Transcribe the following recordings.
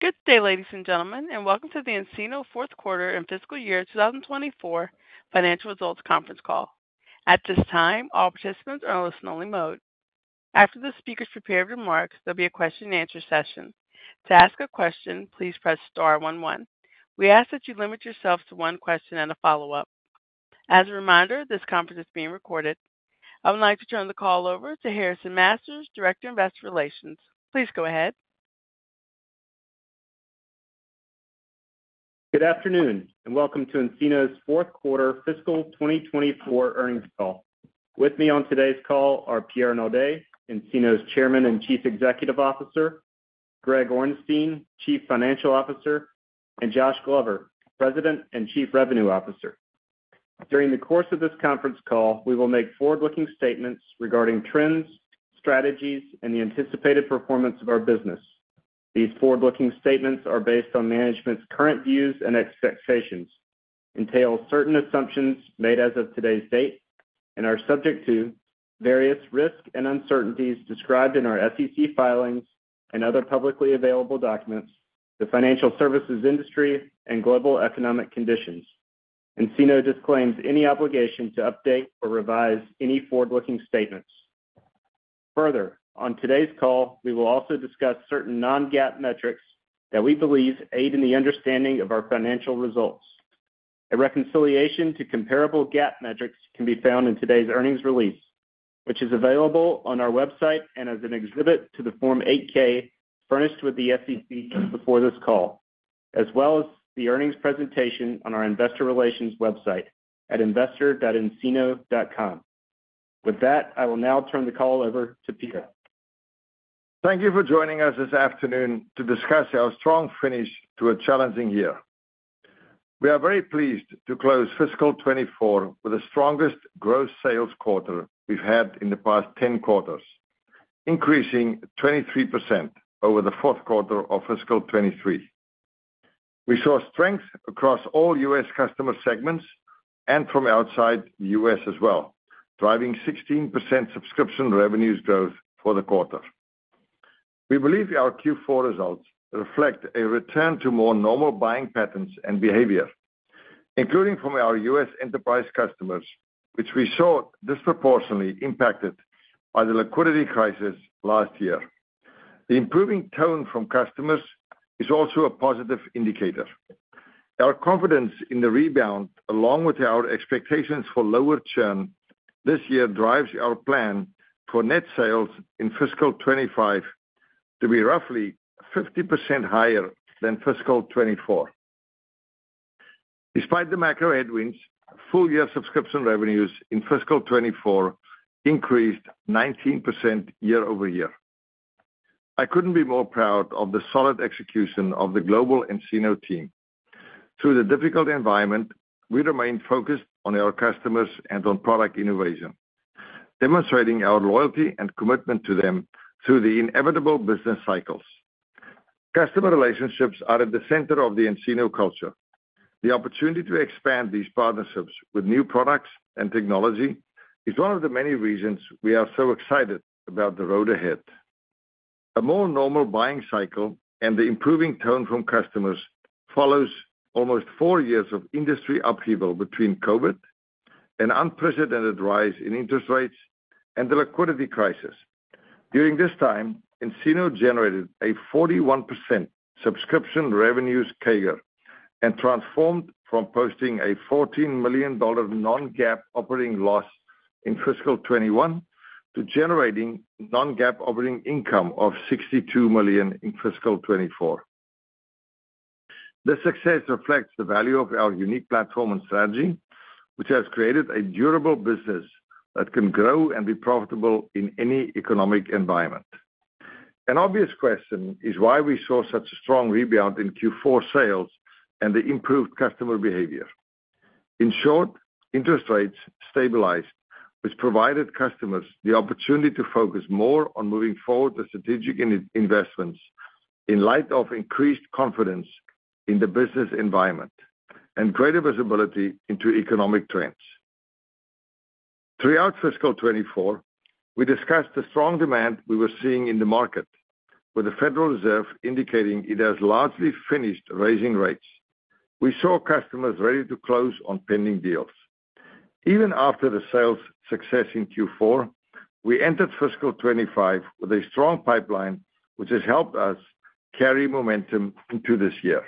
Good day, ladies and gentlemen, and welcome to the nCino fourth quarter and fiscal year 2024 financial results conference call. At this time, all participants are in listen-only mode. After the speakers prepared remarks, there'll be a question-and-answer session. To ask a question, please press star one, one. We ask that you limit yourself to one question and a follow-up. As a reminder, this conference is being recorded. I would like to turn the call over to Harrison Masters, Director of Investor Relations. Please go ahead. Good afternoon, and welcome to nCino's fourth quarter fiscal 2024 earnings call. With me on today's call are Pierre Naude, nCino's Chairman and Chief Executive Officer, Greg Orenstein, Chief Financial Officer, and Josh Glover, President and Chief Revenue Officer. During the course of this conference call, we will make forward-looking statements regarding trends, strategies, and the anticipated performance of our business. These forward-looking statements are based on management's current views and expectations, entail certain assumptions made as of today's date, and are subject to various risks and uncertainties described in our SEC filings and other publicly available documents, the financial services industry, and global economic conditions. nCino disclaims any obligation to update or revise any forward-looking statements. Further, on today's call, we will also discuss certain non-GAAP metrics that we believe aid in the understanding of our financial results. A reconciliation to comparable GAAP metrics can be found in today's earnings release, which is available on our website and as an exhibit to the Form 8-K furnished with the SEC before this call, as well as the earnings presentation on our investor relations website at investor.ncino.com. With that, I will now turn the call over to Pierre. Thank you for joining us this afternoon to discuss our strong finish to a challenging year. We are very pleased to close fiscal 2024 with the strongest gross sales quarter we've had in the past 10 quarters, increasing 23% over the fourth quarter of fiscal 2023. We saw strength across all U.S. customer segments and from outside U.S. as well, driving 16% subscription revenues growth for the quarter. We believe our Q4 results reflect a return to more normal buying patterns and behavior, including from our U.S. enterprise customers, which we saw disproportionately impacted by the liquidity crisis last year. The improving tone from customers is also a positive indicator. Our confidence in the rebound, along with our expectations for lower churn this year, drives our plan for net sales in fiscal 2025 to be roughly 50% higher than fiscal 2024. Despite the macro headwinds, full-year subscription revenues in fiscal 2024 increased 19% year-over-year. I couldn't be more proud of the solid execution of the global nCino team. Through the difficult environment, we remain focused on our customers and on product innovation, demonstrating our loyalty and commitment to them through the inevitable business cycles. Customer relationships are at the center of the nCino culture. The opportunity to expand these partnerships with new products and technology is one of the many reasons we are so excited about the road ahead. A more normal buying cycle and the improving tone from customers follows almost four years of industry upheaval between COVID, an unprecedented rise in interest rates, and the liquidity crisis. During this time, nCino generated a 41% subscription revenues CAGR and transformed from posting a $14 million non-GAAP operating loss in fiscal 2021 to generating non-GAAP operating income of $62 million in fiscal 2024. This success reflects the value of our unique platform and strategy, which has created a durable business that can grow and be profitable in any economic environment. An obvious question is why we saw such a strong rebound in Q4 sales and the improved customer behavior. In short, interest rates stabilized, which provided customers the opportunity to focus more on moving forward with strategic investments in light of increased confidence in the business environment and greater visibility into economic trends. Throughout fiscal 2024, we discussed the strong demand we were seeing in the market, with the Federal Reserve indicating it has largely finished raising rates. We saw customers ready to close on pending deals. Even after the sales success in Q4, we entered fiscal 25 with a strong pipeline, which has helped us carry momentum into this year.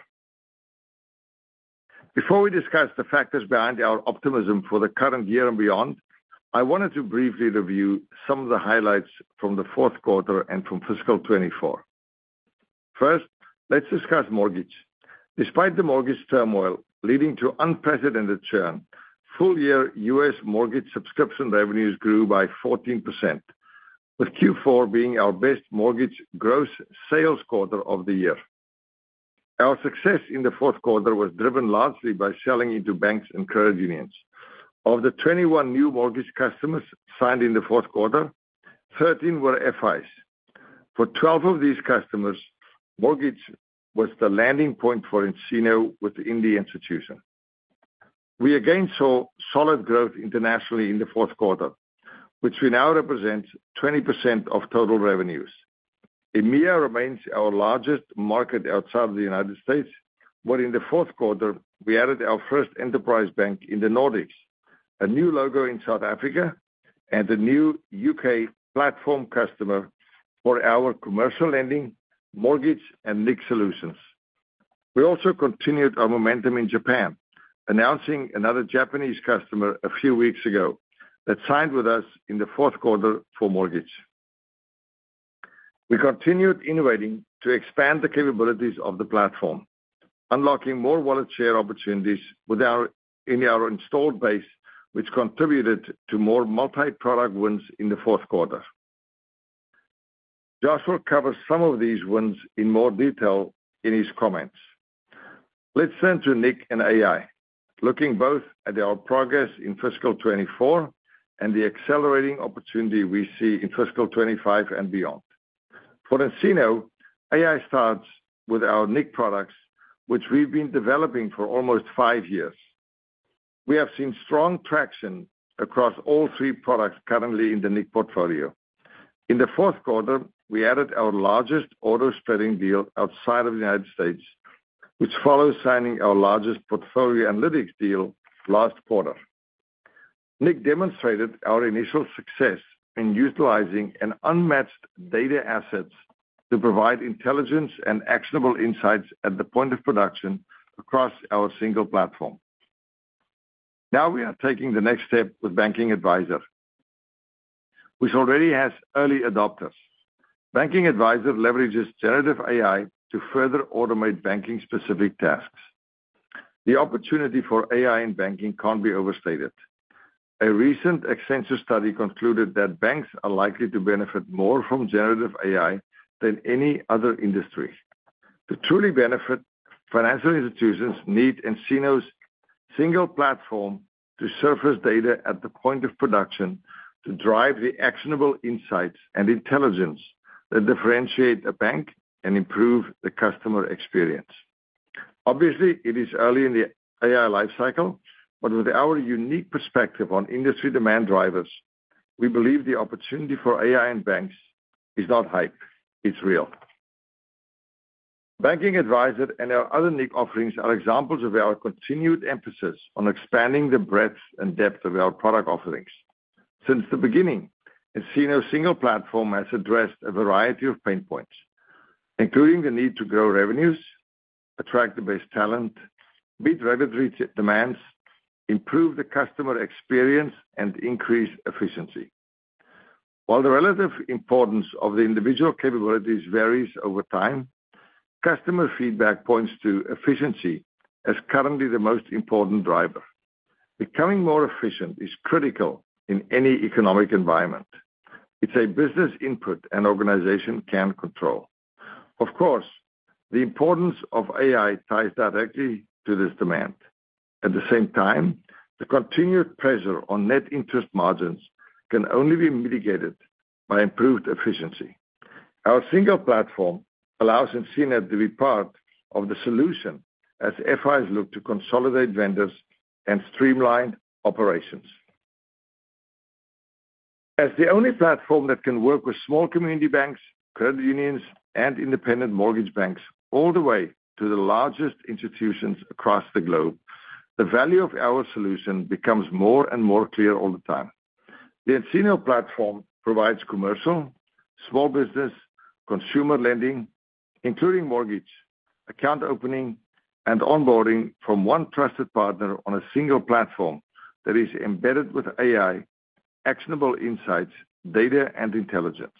Before we discuss the factors behind our optimism for the current year and beyond, I wanted to briefly review some of the highlights from the fourth quarter and from fiscal 24. First, let's discuss mortgage. Despite the mortgage turmoil leading to unprecedented churn, full-year U.S. mortgage subscription revenues grew by 14%, with Q4 being our best mortgage gross sales quarter of the year. Our success in the fourth quarter was driven largely by selling into banks and credit unions. Of the 21 new mortgage customers signed in the fourth quarter, 13 were FIs. For 12 of these customers, mortgage was the landing point for nCino within the institution. We again saw solid growth internationally in the fourth quarter, which now represents 20% of total revenues. EMEA remains our largest market outside of the United States, but in the fourth quarter, we added our first enterprise bank in the Nordics, a new logo in South Africa, and a new U.K. platform customer for our commercial lending, mortgage, and nCino IQ solutions. We also continued our momentum in Japan, announcing another Japanese customer a few weeks ago that signed with us in the fourth quarter for mortgage. We continued innovating to expand the capabilities of the platform, unlocking more wallet share opportunities in our installed base, which contributed to more multi-product wins in the fourth quarter. Josh will cover some of these wins in more detail in his comments. Let's turn to nIQ and AI, looking both at our progress in fiscal 2024 and the accelerating opportunity we see in fiscal 2025 and beyond. For nCino, AI starts with our nIQ products, which we've been developing for almost five years. We have seen strong traction across all three products currently in the nIQ portfolio. In the fourth quarter, we added our largest Auto Spreading deal outside of the United States, which follows signing our largest Portfolio Analytics deal last quarter. nIQ demonstrated our initial success in utilizing an unmatched data assets to provide intelligence and actionable insights at the point of production across our single platform. Now we are taking the next step with Banking Advisor, which already has early adopters. Banking Advisor leverages generative AI to further automate banking-specific tasks. The opportunity for AI in banking can't be overstated. A recent Accenture study concluded that banks are likely to benefit more from generative AI than any other industry. To truly benefit, financial institutions need nCino's single platform to surface data at the point of production, to drive the actionable insights and intelligence that differentiate a bank and improve the customer experience. Obviously, it is early in the AI life cycle, but with our unique perspective on industry demand drivers, we believe the opportunity for AI in banks is not hype, it's real. Banking Advisor and our other nIQ offerings are examples of our continued emphasis on expanding the breadth and depth of our product offerings. Since the beginning, nCino's single platform has addressed a variety of pain points, including the need to grow revenues, attract the best talent, meet regulatory demands, improve the customer experience, and increase efficiency. While the relative importance of the individual capabilities varies over time, customer feedback points to efficiency as currently the most important driver. Becoming more efficient is critical in any economic environment. It's a business input an organization can control. Of course, the importance of AI ties directly to this demand. At the same time, the continued pressure on net interest margins can only be mitigated by improved efficiency. Our single platform allows nCino to be part of the solution as FIs look to consolidate vendors and streamline operations. As the only platform that can work with small community banks, credit unions, and independent mortgage banks all the way to the largest institutions across the globe, the value of our solution becomes more and more clear all the time. The nCino platform provides commercial, small business, consumer lending, including mortgage, account opening, and onboarding from one trusted partner on a single platform that is embedded with AI, actionable insights, data, and intelligence.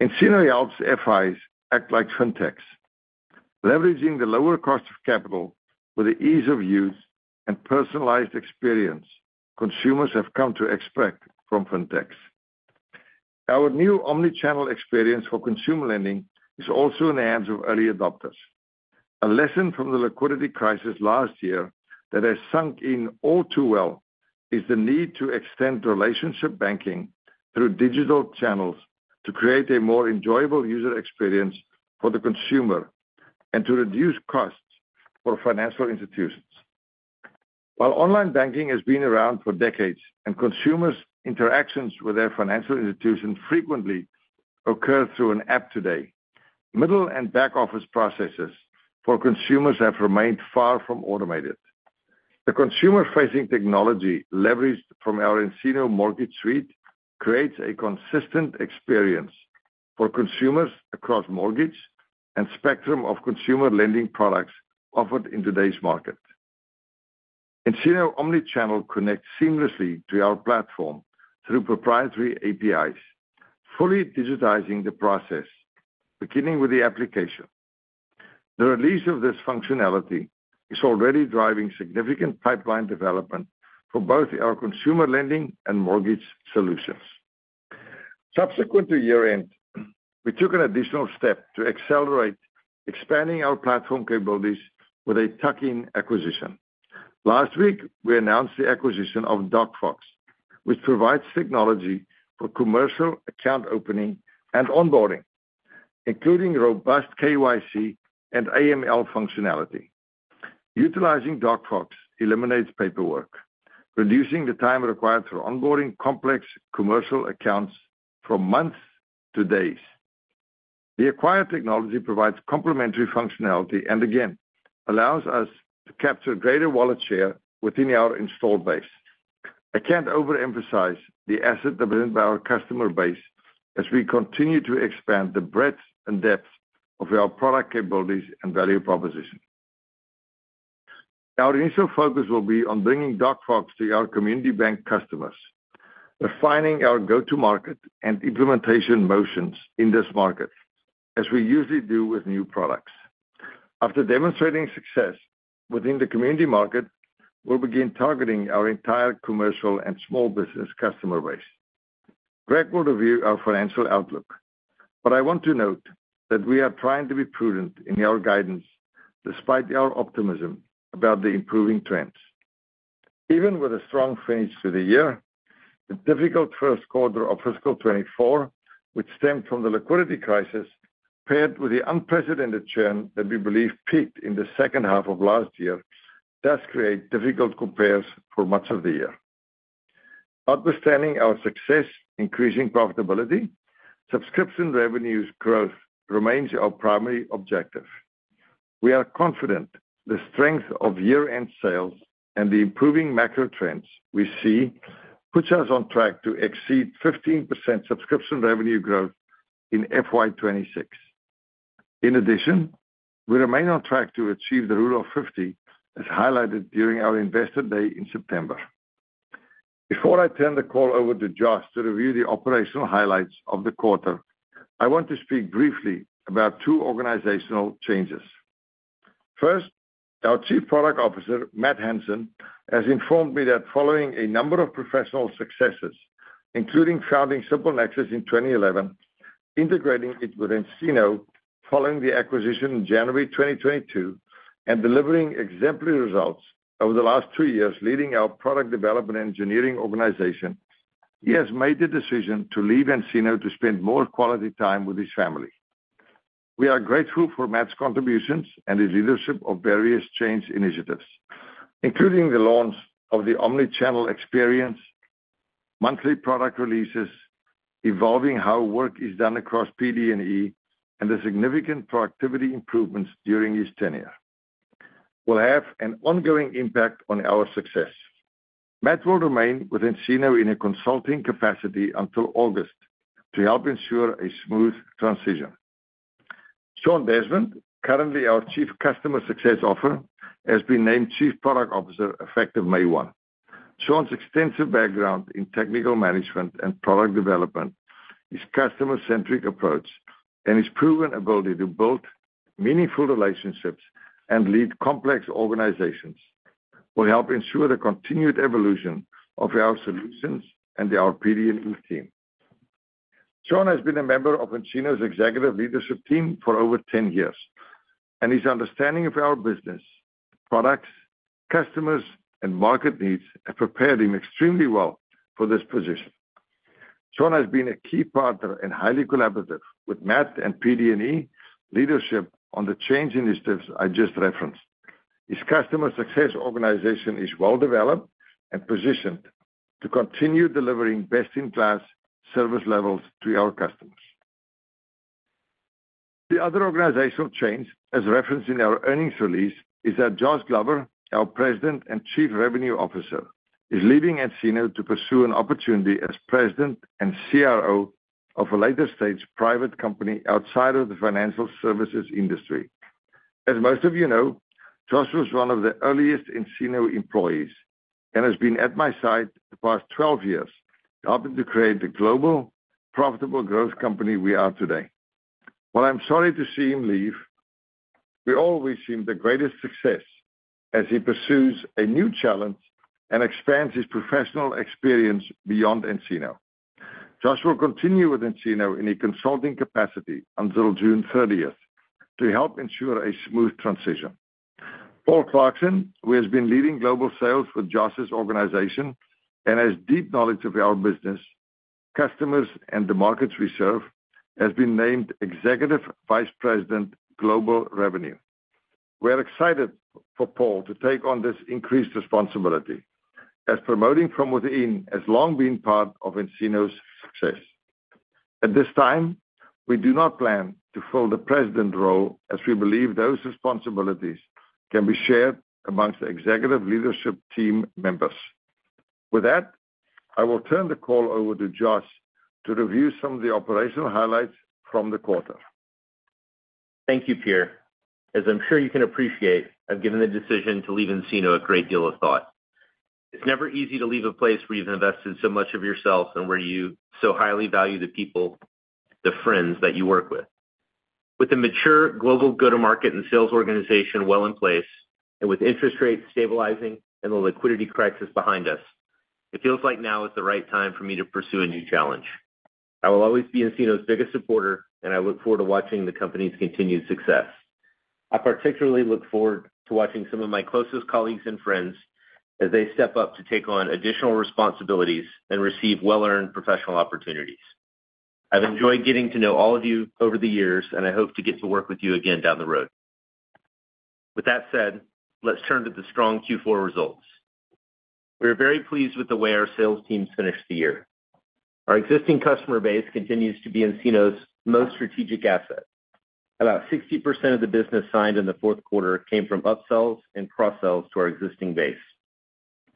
nCino helps FIs act like fintechs, leveraging the lower cost of capital with the ease of use and personalized experience consumers have come to expect from fintechs. Our new omni-channel experience for consumer lending is also in the hands of early adopters. A lesson from the liquidity crisis last year that has sunk in all too well is the need to extend relationship banking through digital channels to create a more enjoyable user experience for the consumer and to reduce costs for financial institutions. While online banking has been around for decades, and consumers' interactions with their financial institutions frequently occur through an app today, middle and back-office processes for consumers have remained far from automated. The consumer-facing technology leveraged from our nCino Mortgage Suite creates a consistent experience for consumers across mortgage and spectrum of consumer lending products offered in today's market. nCino omni-channel connects seamlessly to our platform through proprietary APIs, fully digitizing the process, beginning with the application. The release of this functionality is already driving significant pipeline development for both our consumer lending and mortgage solutions. Subsequent to year-end, we took an additional step to accelerate expanding our platform capabilities with a tuck-in acquisition. Last week, we announced the acquisition of DocFox, which provides technology for commercial account opening and onboarding, including robust KYC and AML functionality. Utilizing DocFox eliminates paperwork, reducing the time required for onboarding complex commercial accounts from months to days. The acquired technology provides complementary functionality, and again, allows us to capture greater wallet share within our installed base. I can't overemphasize the asset within our customer base as we continue to expand the breadth and depth of our product capabilities and value proposition. Our initial focus will be on bringing DocFox to our community bank customers, refining our go-to-market and implementation motions in this market, as we usually do with new products. After demonstrating success within the community market, we'll begin targeting our entire commercial and small business customer base. Greg will review our financial outlook, but I want to note that we are trying to be prudent in our guidance despite our optimism about the improving trends. Even with a strong finish to the year, the difficult first quarter of fiscal 2024, which stemmed from the liquidity crisis, paired with the unprecedented churn that we believe peaked in the second half of last year, does create difficult compares for much of the year. Notwithstanding our success increasing profitability, subscription revenues growth remains our primary objective. We are confident the strength of year-end sales and the improving macro trends we see puts us on track to exceed 15% subscription revenue growth in FY 2026. In addition, we remain on track to achieve the Rule of 50, as highlighted during our Investor Day in September. Before I turn the call over to Josh to review the operational highlights of the quarter, I want to speak briefly about two organizational changes. First, our Chief Product Officer, Matt Hansen, has informed me that following a number of professional successes, including founding SimpleNexus in 2011, integrating it with nCino following the acquisition in January 2022, and delivering exemplary results over the last two years, leading our product development engineering organization, he has made the decision to leave nCino to spend more quality time with his family. We are grateful for Matt's contributions and his leadership of various change initiatives, including the launch of the Omnichannel experience, monthly product releases, evolving how work is done across PD&E, and the significant productivity improvements during his tenure. Will have an ongoing impact on our success. Matt will remain with nCino in a consulting capacity until August to help ensure a smooth transition. Sean Desmond, currently our Chief Customer Success Officer, has been named Chief Product Officer, effective May 1. Sean's extensive background in technical management and product development, his customer-centric approach, and his proven ability to build meaningful relationships and lead complex organizations will help ensure the continued evolution of our solutions and our PD&E team. Sean has been a member of nCino's executive leadership team for over 10 years, and his understanding of our business, products, customers, and market needs have prepared him extremely well for this position. Sean has been a key partner and highly collaborative with Matt and PD&E leadership on the change initiatives I just referenced. His customer success organization is well developed and positioned to continue delivering best-in-class service levels to our customers. The other organizational change, as referenced in our earnings release, is that Josh Glover, our President and Chief Revenue Officer, is leaving nCino to pursue an opportunity as president and CRO of a later-stage private company outside of the financial services industry. As most of you know, Josh was one of the earliest nCino employees and has been at my side for the past 12 years, helping to create the global, profitable growth company we are today. While I'm sorry to see him leave, we all wish him the greatest success as he pursues a new challenge and expands his professional experience beyond nCino. Josh will continue with nCino in a consulting capacity until June 30th to help ensure a smooth transition. Paul Clarkson, who has been leading global sales with Josh's organization and has deep knowledge of our business, customers, and the markets we serve, has been named Executive Vice President, Global Revenue. We are excited for Paul to take on this increased responsibility, as promoting from within has long been part of nCino's success. At this time, we do not plan to fill the president role, as we believe those responsibilities can be shared amongst the executive leadership team members. With that, I will turn the call over to Josh to review some of the operational highlights from the quarter. Thank you, Pierre. As I'm sure you can appreciate, I've given the decision to leave nCino a great deal of thought. It's never easy to leave a place where you've invested so much of yourself and where you so highly value the people, the friends that you work with. With a mature global go-to-market and sales organization well in place, and with interest rates stabilizing and the liquidity crisis behind us, it feels like now is the right time for me to pursue a new challenge. I will always be nCino's biggest supporter, and I look forward to watching the company's continued success. I particularly look forward to watching some of my closest colleagues and friends as they step up to take on additional responsibilities and receive well-earned professional opportunities. I've enjoyed getting to know all of you over the years, and I hope to get to work with you again down the road. With that said, let's turn to the strong Q4 results. We are very pleased with the way our sales teams finished the year. Our existing customer base continues to be nCino's most strategic asset. About 60% of the business signed in the fourth quarter came from upsells and cross-sells to our existing base.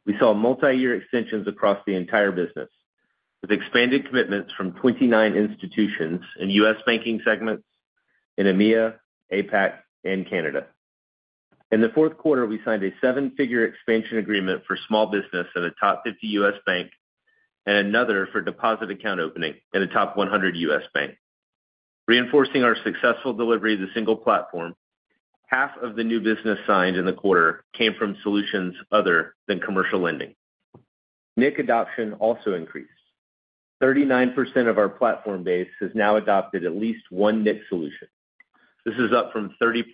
We saw multi-year extensions across the entire business, with expanded commitments from 29 institutions in U.S. banking segments in EMEA, APAC, and Canada. In the fourth quarter, we signed a seven-figure expansion agreement for small business at a top 50 U.S. bank and another for deposit account opening at a top 100 U.S. bank. Reinforcing our successful delivery of the single platform, half of the new business signed in the quarter came from solutions other than commercial lending. nIQ adoption also increased. 39% of our platform base has now adopted at least one nIQ solution. This is up from 30%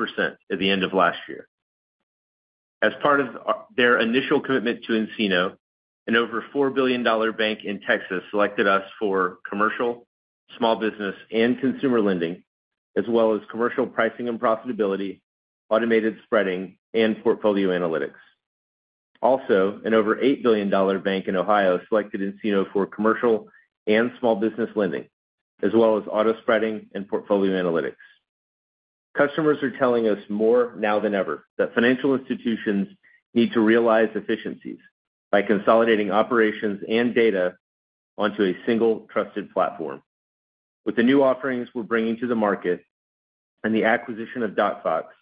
at the end of last year. As part of their initial commitment to nCino, an over $4 billion bank in Texas selected us for Commercial, Small Business, and Consumer Lending, as well as Commercial Pricing and Profitability, Automated Spreading, and Portfolio Analytics. Also, an over $8 billion bank in Ohio selected nCino for Commercial and Small Business Lending, as well as Auto Spreading and Portfolio Analytics. Customers are telling us more now than ever that financial institutions need to realize efficiencies by consolidating operations and data onto a single trusted platform. With the new offerings we're bringing to the market and the acquisition of DocFox, we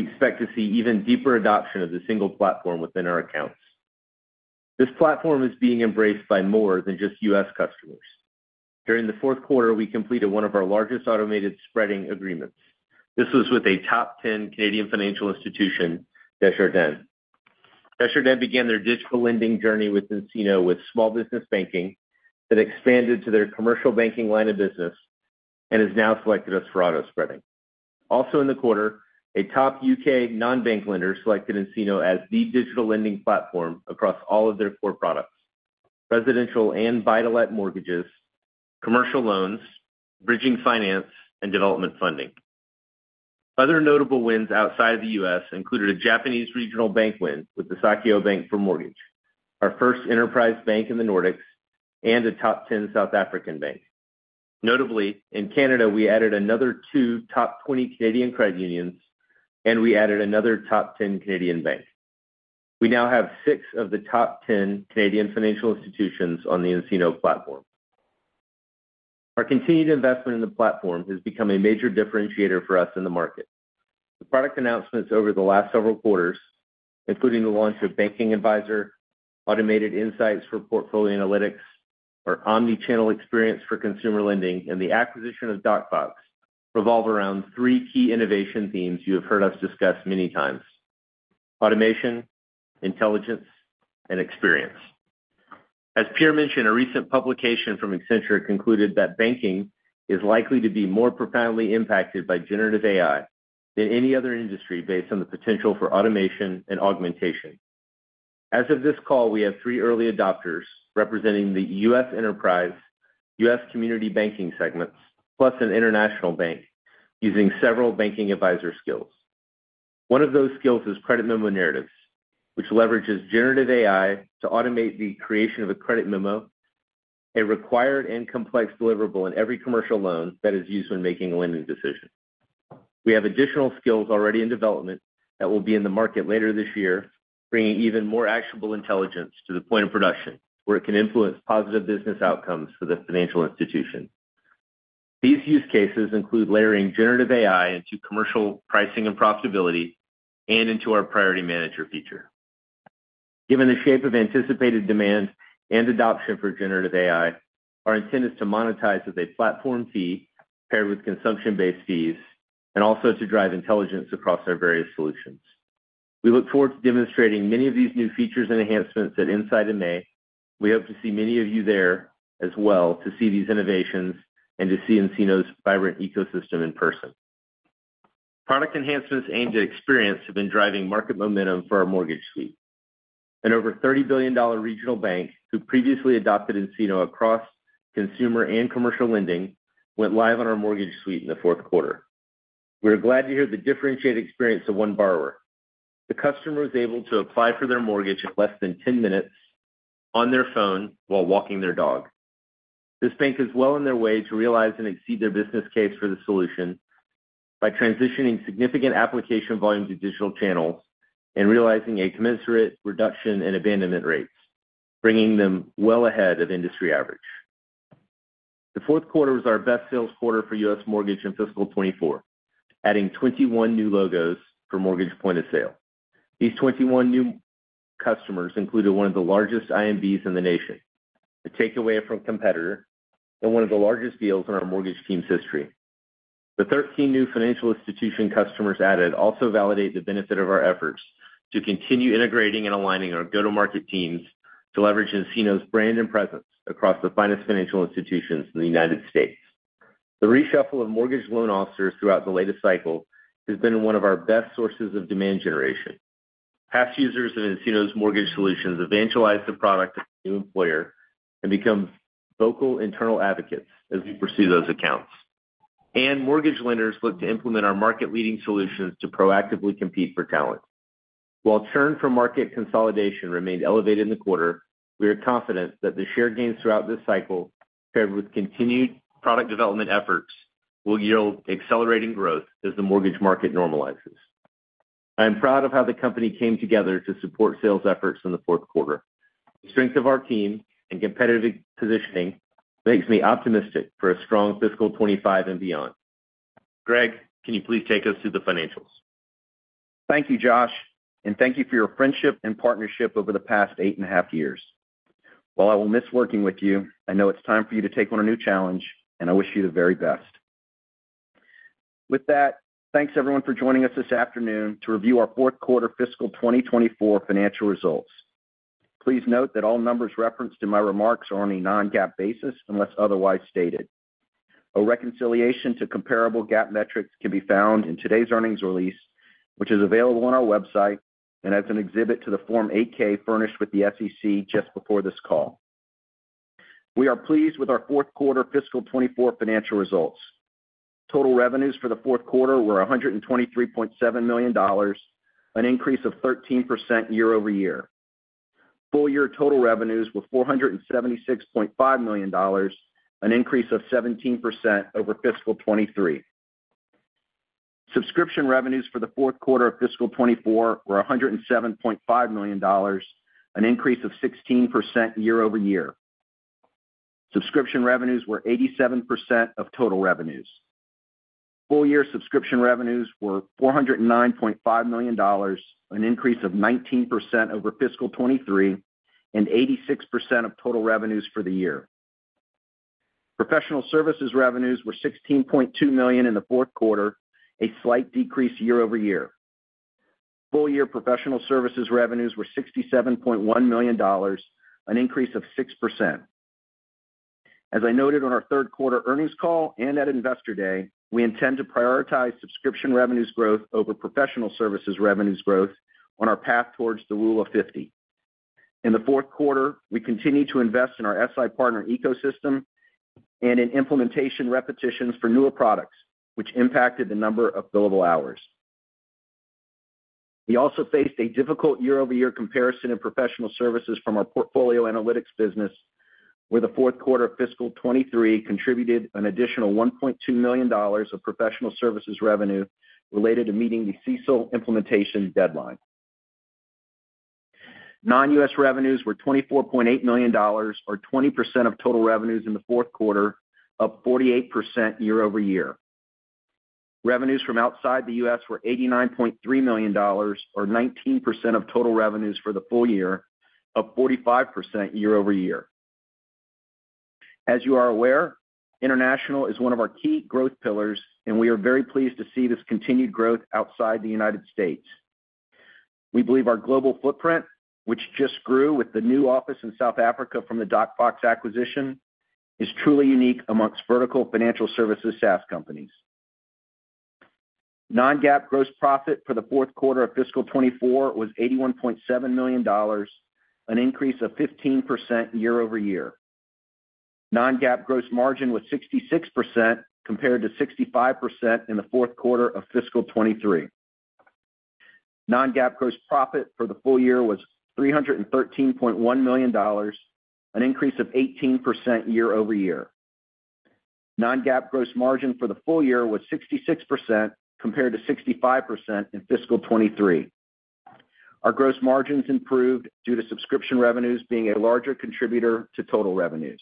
expect to see even deeper adoption of the single platform within our accounts. This platform is being embraced by more than just U.S. customers. During the fourth quarter, we completed one of our largest Automated Spreading agreements. This was with a top 10 Canadian financial institution, Desjardins. Desjardins began their digital lending journey with nCino, with small business banking that expanded to their commercial banking line of business and has now selected us for Auto Spreading. Also in the quarter, a top U.K. non-bank lender selected nCino as the digital lending platform across all of their core products, residential and buy-to-let mortgages, commercial loans, bridging finance, and development funding. Other notable wins outside the U.S, included a Japanese regional bank win with the Saikyo Bank for mortgage, our first enterprise bank in the Nordics, and a top 10 South African bank. Notably, in Canada, we added another two top 20 Canadian credit unions, and we added another top 10 Canadian bank. We now have six of the top 10 Canadian financial institutions on the nCino platform. Our continued investment in the platform has become a major differentiator for us in the market. The product announcements over the last several quarters, including the launch of Banking Advisor, Automated Insights for Portfolio Analytics, our Omnichannel experience for consumer lending, and the acquisition of DocFox, revolve around three key innovation themes you have heard us discuss many times: automation, intelligence, and experience. As Pierre mentioned, a recent publication from Accenture concluded that banking is likely to be more profoundly impacted by Generative AI than any other industry based on the potential for automation and augmentation. As of this call, we have three early adopters representing the U.S. enterprise, U.S. community banking segments, plus an international bank, using several Banking Advisor skills. One of those skills is credit memo narratives, which leverages Generative AI to automate the creation of a credit memo, a required and complex deliverable in every commercial loan that is used when making a lending decision. We have additional skills already in development that will be in the market later this year, bringing even more actionable intelligence to the point of production, where it can influence positive business outcomes for the financial institution. These use cases include layering generative AI into Commercial Pricing and Profitability and into our priority manager feature. Given the shape of anticipated demand and adoption for generative AI, our intent is to monetize as a platform fee paired with consumption-based fees, and also to drive intelligence across our various solutions. We look forward to demonstrating many of these new features and enhancements at nSight in May. We hope to see many of you there as well, to see these innovations and to see nCino's vibrant ecosystem in person. Product enhancements aimed at experience have been driving market momentum for our Mortgage Suite. An over $30 billion regional bank, who previously adopted nCino across consumer and commercial lending, went live on our Mortgage Suite in the fourth quarter. We're glad to hear the differentiated experience of one borrower. The customer was able to apply for their mortgage in less than 10 minutes on their phone while walking their dog. This bank is well on their way to realize and exceed their business case for the solution by transitioning significant application volume to digital channels and realizing a commensurate reduction in abandonment rates, bringing them well ahead of industry average. The fourth quarter was our best sales quarter for U.S. mortgage in fiscal 2024, adding 21 new logos for mortgage point of sale. These 21 new customers included one of the largest IMBs in the nation, a takeaway from a competitor, and one of the largest deals in our mortgage team's history. The 13 new financial institution customers added also validate the benefit of our efforts to continue integrating and aligning our go-to-market teams.... to leverage nCino's brand and presence across the finest financial institutions in the United States. The reshuffle of mortgage loan officers throughout the latest cycle has been one of our best sources of demand generation. Past users of nCino's mortgage solutions evangelize the product to the new employer and become vocal internal advocates as we pursue those accounts. Mortgage lenders look to implement our market-leading solutions to proactively compete for talent. While churn from market consolidation remained elevated in the quarter, we are confident that the share gains throughout this cycle, paired with continued product development efforts, will yield accelerating growth as the mortgage market normalizes. I am proud of how the company came together to support sales efforts in the fourth quarter. The strength of our team and competitive positioning makes me optimistic for a strong fiscal 2025 and beyond. Greg, can you please take us through the financials? Thank you, Josh, and thank you for your friendship and partnership over the past 8.5 years. While I will miss working with you, I know it's time for you to take on a new challenge, and I wish you the very best. With that, thanks, everyone, for joining us this afternoon to review our fourth quarter fiscal 2024 financial results. Please note that all numbers referenced in my remarks are on a non-GAAP basis, unless otherwise stated. A reconciliation to comparable GAAP metrics can be found in today's earnings release, which is available on our website and as an exhibit to the Form 8-K furnished with the SEC just before this call. We are pleased with our fourth quarter fiscal 2024 financial results. Total revenues for the fourth quarter were $123.7 million, an increase of 13% year-over-year. Full-year total revenues were $476.5 million, an increase of 17% over fiscal 2023. Subscription revenues for the fourth quarter of fiscal 2024 were $107.5 million, an increase of 16% year-over-year. Subscription revenues were 87% of total revenues. Full-year subscription revenues were $409.5 million, an increase of 19% over fiscal 2023, and 86% of total revenues for the year. Professional services revenues were $16.2 million in the fourth quarter, a slight decrease year-over-year. Full-year professional services revenues were $67.1 million, an increase of 6%. As I noted on our third quarter earnings call and at Investor Day, we intend to prioritize subscription revenues growth over professional services revenues growth on our path towards the Rule of 50. In the fourth quarter, we continued to invest in our SI partner ecosystem and in implementation repetitions for newer products, which impacted the number of billable hours. We also faced a difficult year-over-year comparison in professional services from our Portfolio Analytics business, where the fourth quarter of fiscal 2023 contributed an additional $1.2 million of professional services revenue related to meeting the CECL implementation deadline. Non-U.S. revenues were $24.8 million, or 20% of total revenues in the fourth quarter, up 48% year-over-year. Revenues from outside the U.S. were $89.3 million, or 19% of total revenues for the full year, up 45% year-over-year. As you are aware, international is one of our key growth pillars, and we are very pleased to see this continued growth outside the United States. We believe our global footprint, which just grew with the new office in South Africa from the DocFox acquisition, is truly unique amongst vertical financial services SaaS companies. Non-GAAP gross profit for the fourth quarter of fiscal 2024 was $81.7 million, an increase of 15% year-over-year. Non-GAAP gross margin was 66%, compared to 65% in the fourth quarter of fiscal 2023. Non-GAAP gross profit for the full year was $313.1 million, an increase of 18% year-over-year. Non-GAAP gross margin for the full year was 66%, compared to 65% in fiscal 2023. Our gross margins improved due to subscription revenues being a larger contributor to total revenues.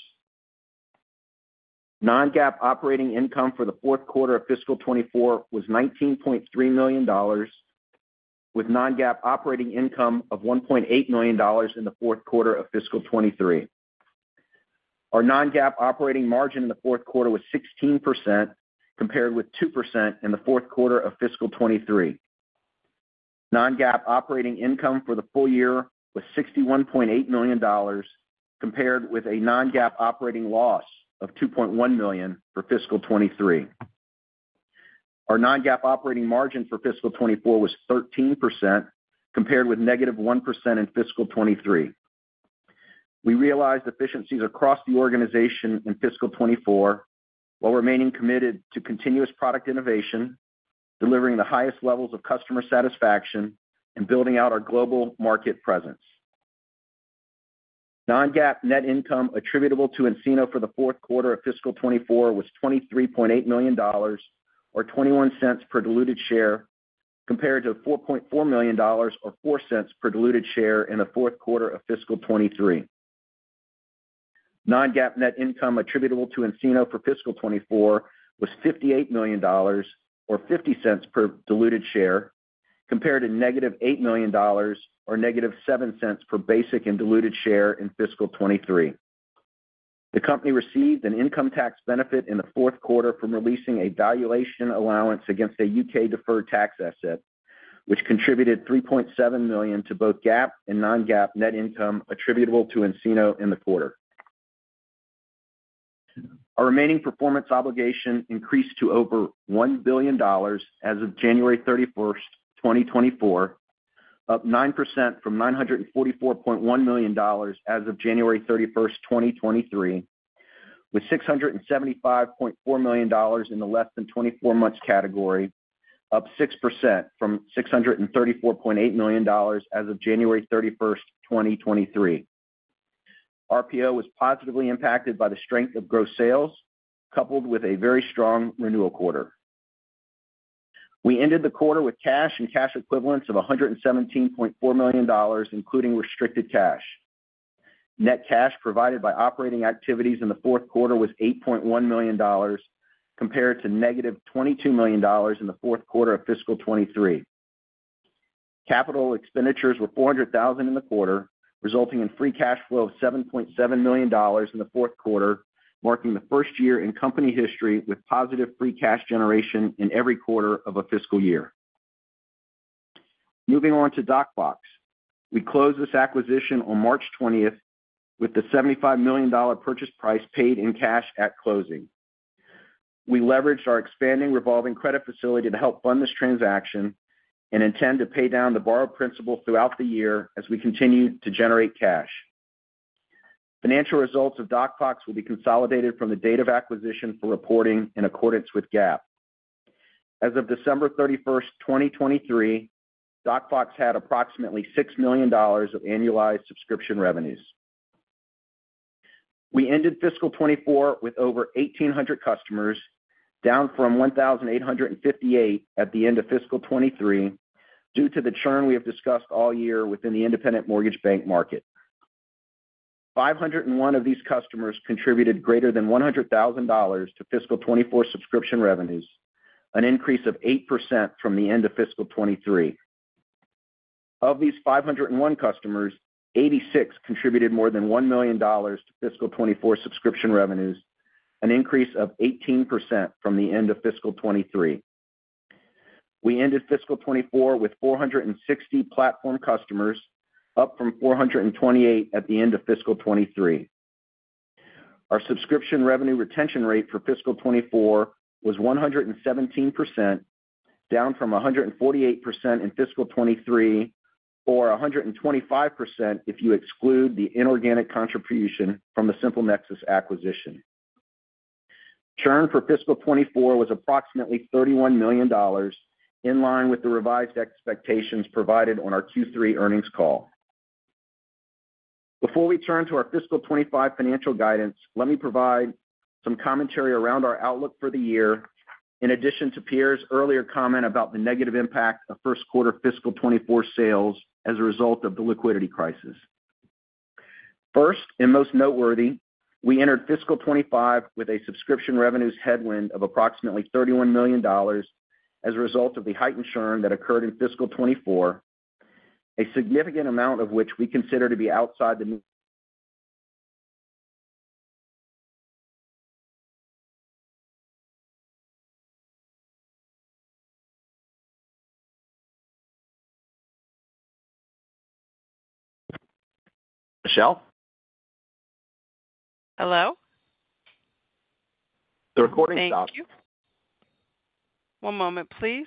Non-GAAP operating income for the fourth quarter of fiscal 2024 was $19.3 million, with non-GAAP operating income of $1.8 million in the fourth quarter of fiscal 2023. Our non-GAAP operating margin in the fourth quarter was 16%, compared with 2% in the fourth quarter of fiscal 2023. Non-GAAP operating income for the full year was $61.8 million, compared with a non-GAAP operating loss of $2.1 million for fiscal 2023. Our non-GAAP operating margin for fiscal 2024 was 13%, compared with -1% in fiscal 2023. We realized efficiencies across the organization in fiscal 2024, while remaining committed to continuous product innovation, delivering the highest levels of customer satisfaction, and building out our global market presence. Non-GAAP net income attributable to nCino for the fourth quarter of fiscal 2024 was $23.8 million or $0.21 per diluted share, compared to $4.4 million, or $0.04 per diluted share in the fourth quarter of fiscal 2023. Non-GAAP net income attributable to nCino for fiscal 2024 was $58 million, or $0.50 per diluted share, compared to -$8 million, or -$0.07 per basic and diluted share in fiscal 2023.... The company received an income tax benefit in the fourth quarter from releasing a valuation allowance against a U.K. deferred tax asset, which contributed $3.7 million to both GAAP and non-GAAP net income attributable to nCino in the quarter. Our remaining performance obligation increased to over $1 billion as of January 31st, 2024, up 9% from $944.1 million as of January 31st, 2023, with $675.4 million in the less than 24 months category, up 6% from $634.8 million as of January 31st, 2023. RPO was positively impacted by the strength of gross sales, coupled with a very strong renewal quarter. We ended the quarter with cash and cash equivalents of $117.4 million, including restricted cash. Net cash provided by operating activities in the fourth quarter was $8.1 million, compared to -$22 million in the fourth quarter of fiscal 2023. Capital expenditures were $400,000 in the quarter, resulting in free cash flow of $7.7 million in the fourth quarter, marking the first year in company history with positive free cash generation in every quarter of a fiscal year. Moving on to DocFox. We closed this acquisition on March 20th, with the $75 million purchase price paid in cash at closing. We leveraged our expanding revolving credit facility to help fund this transaction and intend to pay down the borrowed principal throughout the year as we continue to generate cash. Financial results of DocFox will be consolidated from the date of acquisition for reporting in accordance with GAAP. As of December 31, 2023, DocFox had approximately $6 million of annualized subscription revenues. We ended fiscal 2024 with over 1,800 customers, down from 1,858 at the end of fiscal 2023, due to the churn we have discussed all year within the independent mortgage bank market. 501 of these customers contributed greater than $100,000 to fiscal 2024 subscription revenues, an increase of 8% from the end of fiscal 2023. Of these 501 customers, 86 contributed more than $1 million to fiscal 2024 subscription revenues, an increase of 18% from the end of fiscal 2023. We ended fiscal 2024 with 460 platform customers, up from 428 at the end of fiscal 2023. Our subscription revenue retention rate for fiscal 2024 was 117%, down from 148% in fiscal 2023, or 125% if you exclude the inorganic contribution from the SimpleNexus acquisition. Churn for fiscal 2024 was approximately $31 million, in line with the revised expectations provided on our Q3 earnings call. Before we turn to our fiscal 2025 financial guidance, let me provide some commentary around our outlook for the year, in addition to Pierre's earlier comment about the negative impact of first quarter fiscal 2024 sales as a result of the liquidity crisis. First, and most noteworthy, we entered fiscal 2025 with a subscription revenues headwind of approximately $31 million as a result of the heightened churn that occurred in fiscal 2024, a significant amount of which we consider to be outside the... Michelle? Hello? The recording stopped. Thank you. One moment, please.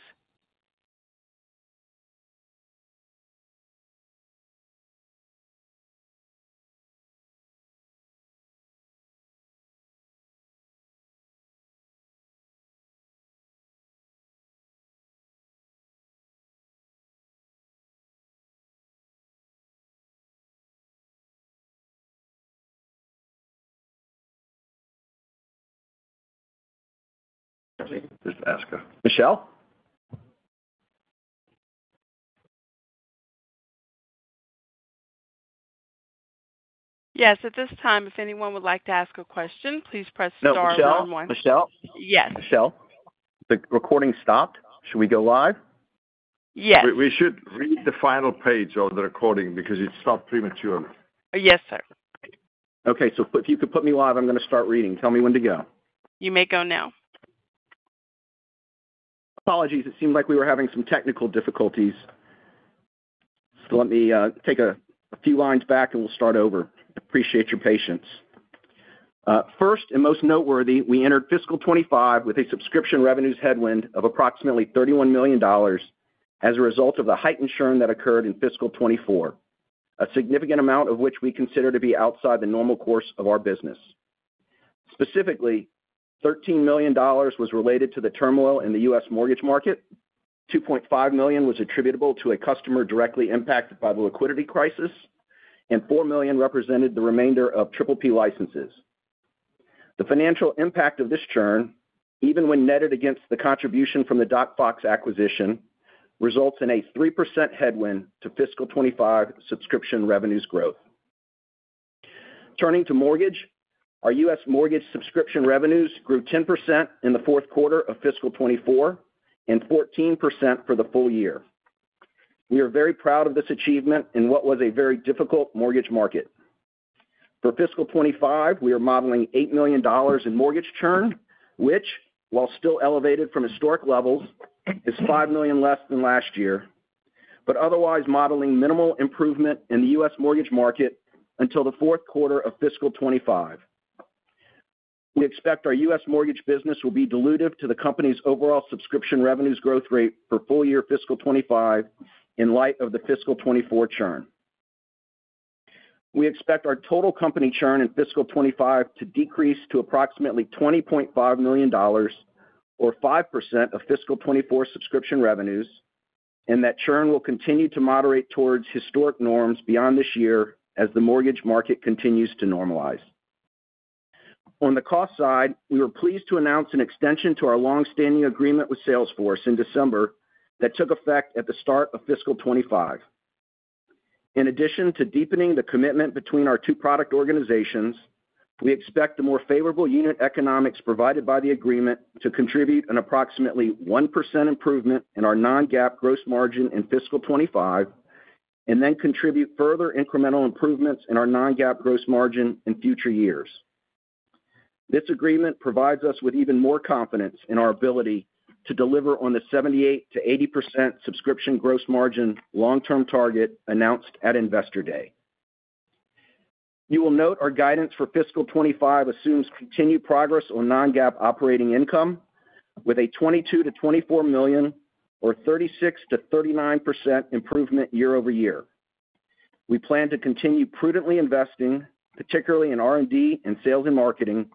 Just ask her. Michelle? Yes, at this time, if anyone would like to ask a question, please press star one. Michelle? Michelle. Yes. Michelle, the recording stopped. Should we go live? Yes. We should read the final page of the recording because it stopped prematurely. Yes, sir. Okay, if you could put me live, I'm going to start reading. Tell me when to go. You may go now. Apologies. It seemed like we were having some technical difficulties. So let me take a few lines back, and we'll start over. Appreciate your patience. First and most noteworthy, we entered fiscal 2025 with a subscription revenues headwind of approximately $31 million as a result of the heightened churn that occurred in fiscal 2024, a significant amount of which we consider to be outside the normal course of our business. Specifically, $13 million was related to the turmoil in the US mortgage market, $2.5 million was attributable to a customer directly impacted by the liquidity crisis, and $4 million represented the remainder of PPP licenses. The financial impact of this churn, even when netted against the contribution from the DocFox acquisition, results in a 3% headwind to fiscal 2025 subscription revenues growth. Turning to mortgage, our U.S. mortgage subscription revenues grew 10% in the fourth quarter of fiscal 2024 and 14% for the full year. We are very proud of this achievement in what was a very difficult mortgage market. For fiscal 2025, we are modeling $8 million in mortgage churn, which, while still elevated from historic levels, is $5 million less than last year, but otherwise modeling minimal improvement in the U.S. mortgage market until the fourth quarter of fiscal 2025. We expect our U.S. mortgage business will be dilutive to the company's overall subscription revenues growth rate for full year fiscal 2025 in light of the fiscal 2024 churn. We expect our total company churn in fiscal 25 to decrease to approximately $20.5 million or 5% of fiscal 24 subscription revenues, and that churn will continue to moderate towards historic norms beyond this year as the mortgage market continues to normalize. On the cost side, we were pleased to announce an extension to our long-standing agreement with Salesforce in December that took effect at the start of fiscal 25. In addition to deepening the commitment between our two product organizations, we expect the more favorable unit economics provided by the agreement to contribute an approximately 1% improvement in our non-GAAP gross margin in fiscal 25, and then contribute further incremental improvements in our non-GAAP gross margin in future years. This agreement provides us with even more confidence in our ability to deliver on the 78%-80% subscription gross margin long-term target announced at Investor Day. You will note our guidance for fiscal 2025 assumes continued progress on non-GAAP operating income with a $22 million-$24 million or 36%-39% improvement year-over-year. We plan to continue prudently investing, particularly in R&D and sales and marketing,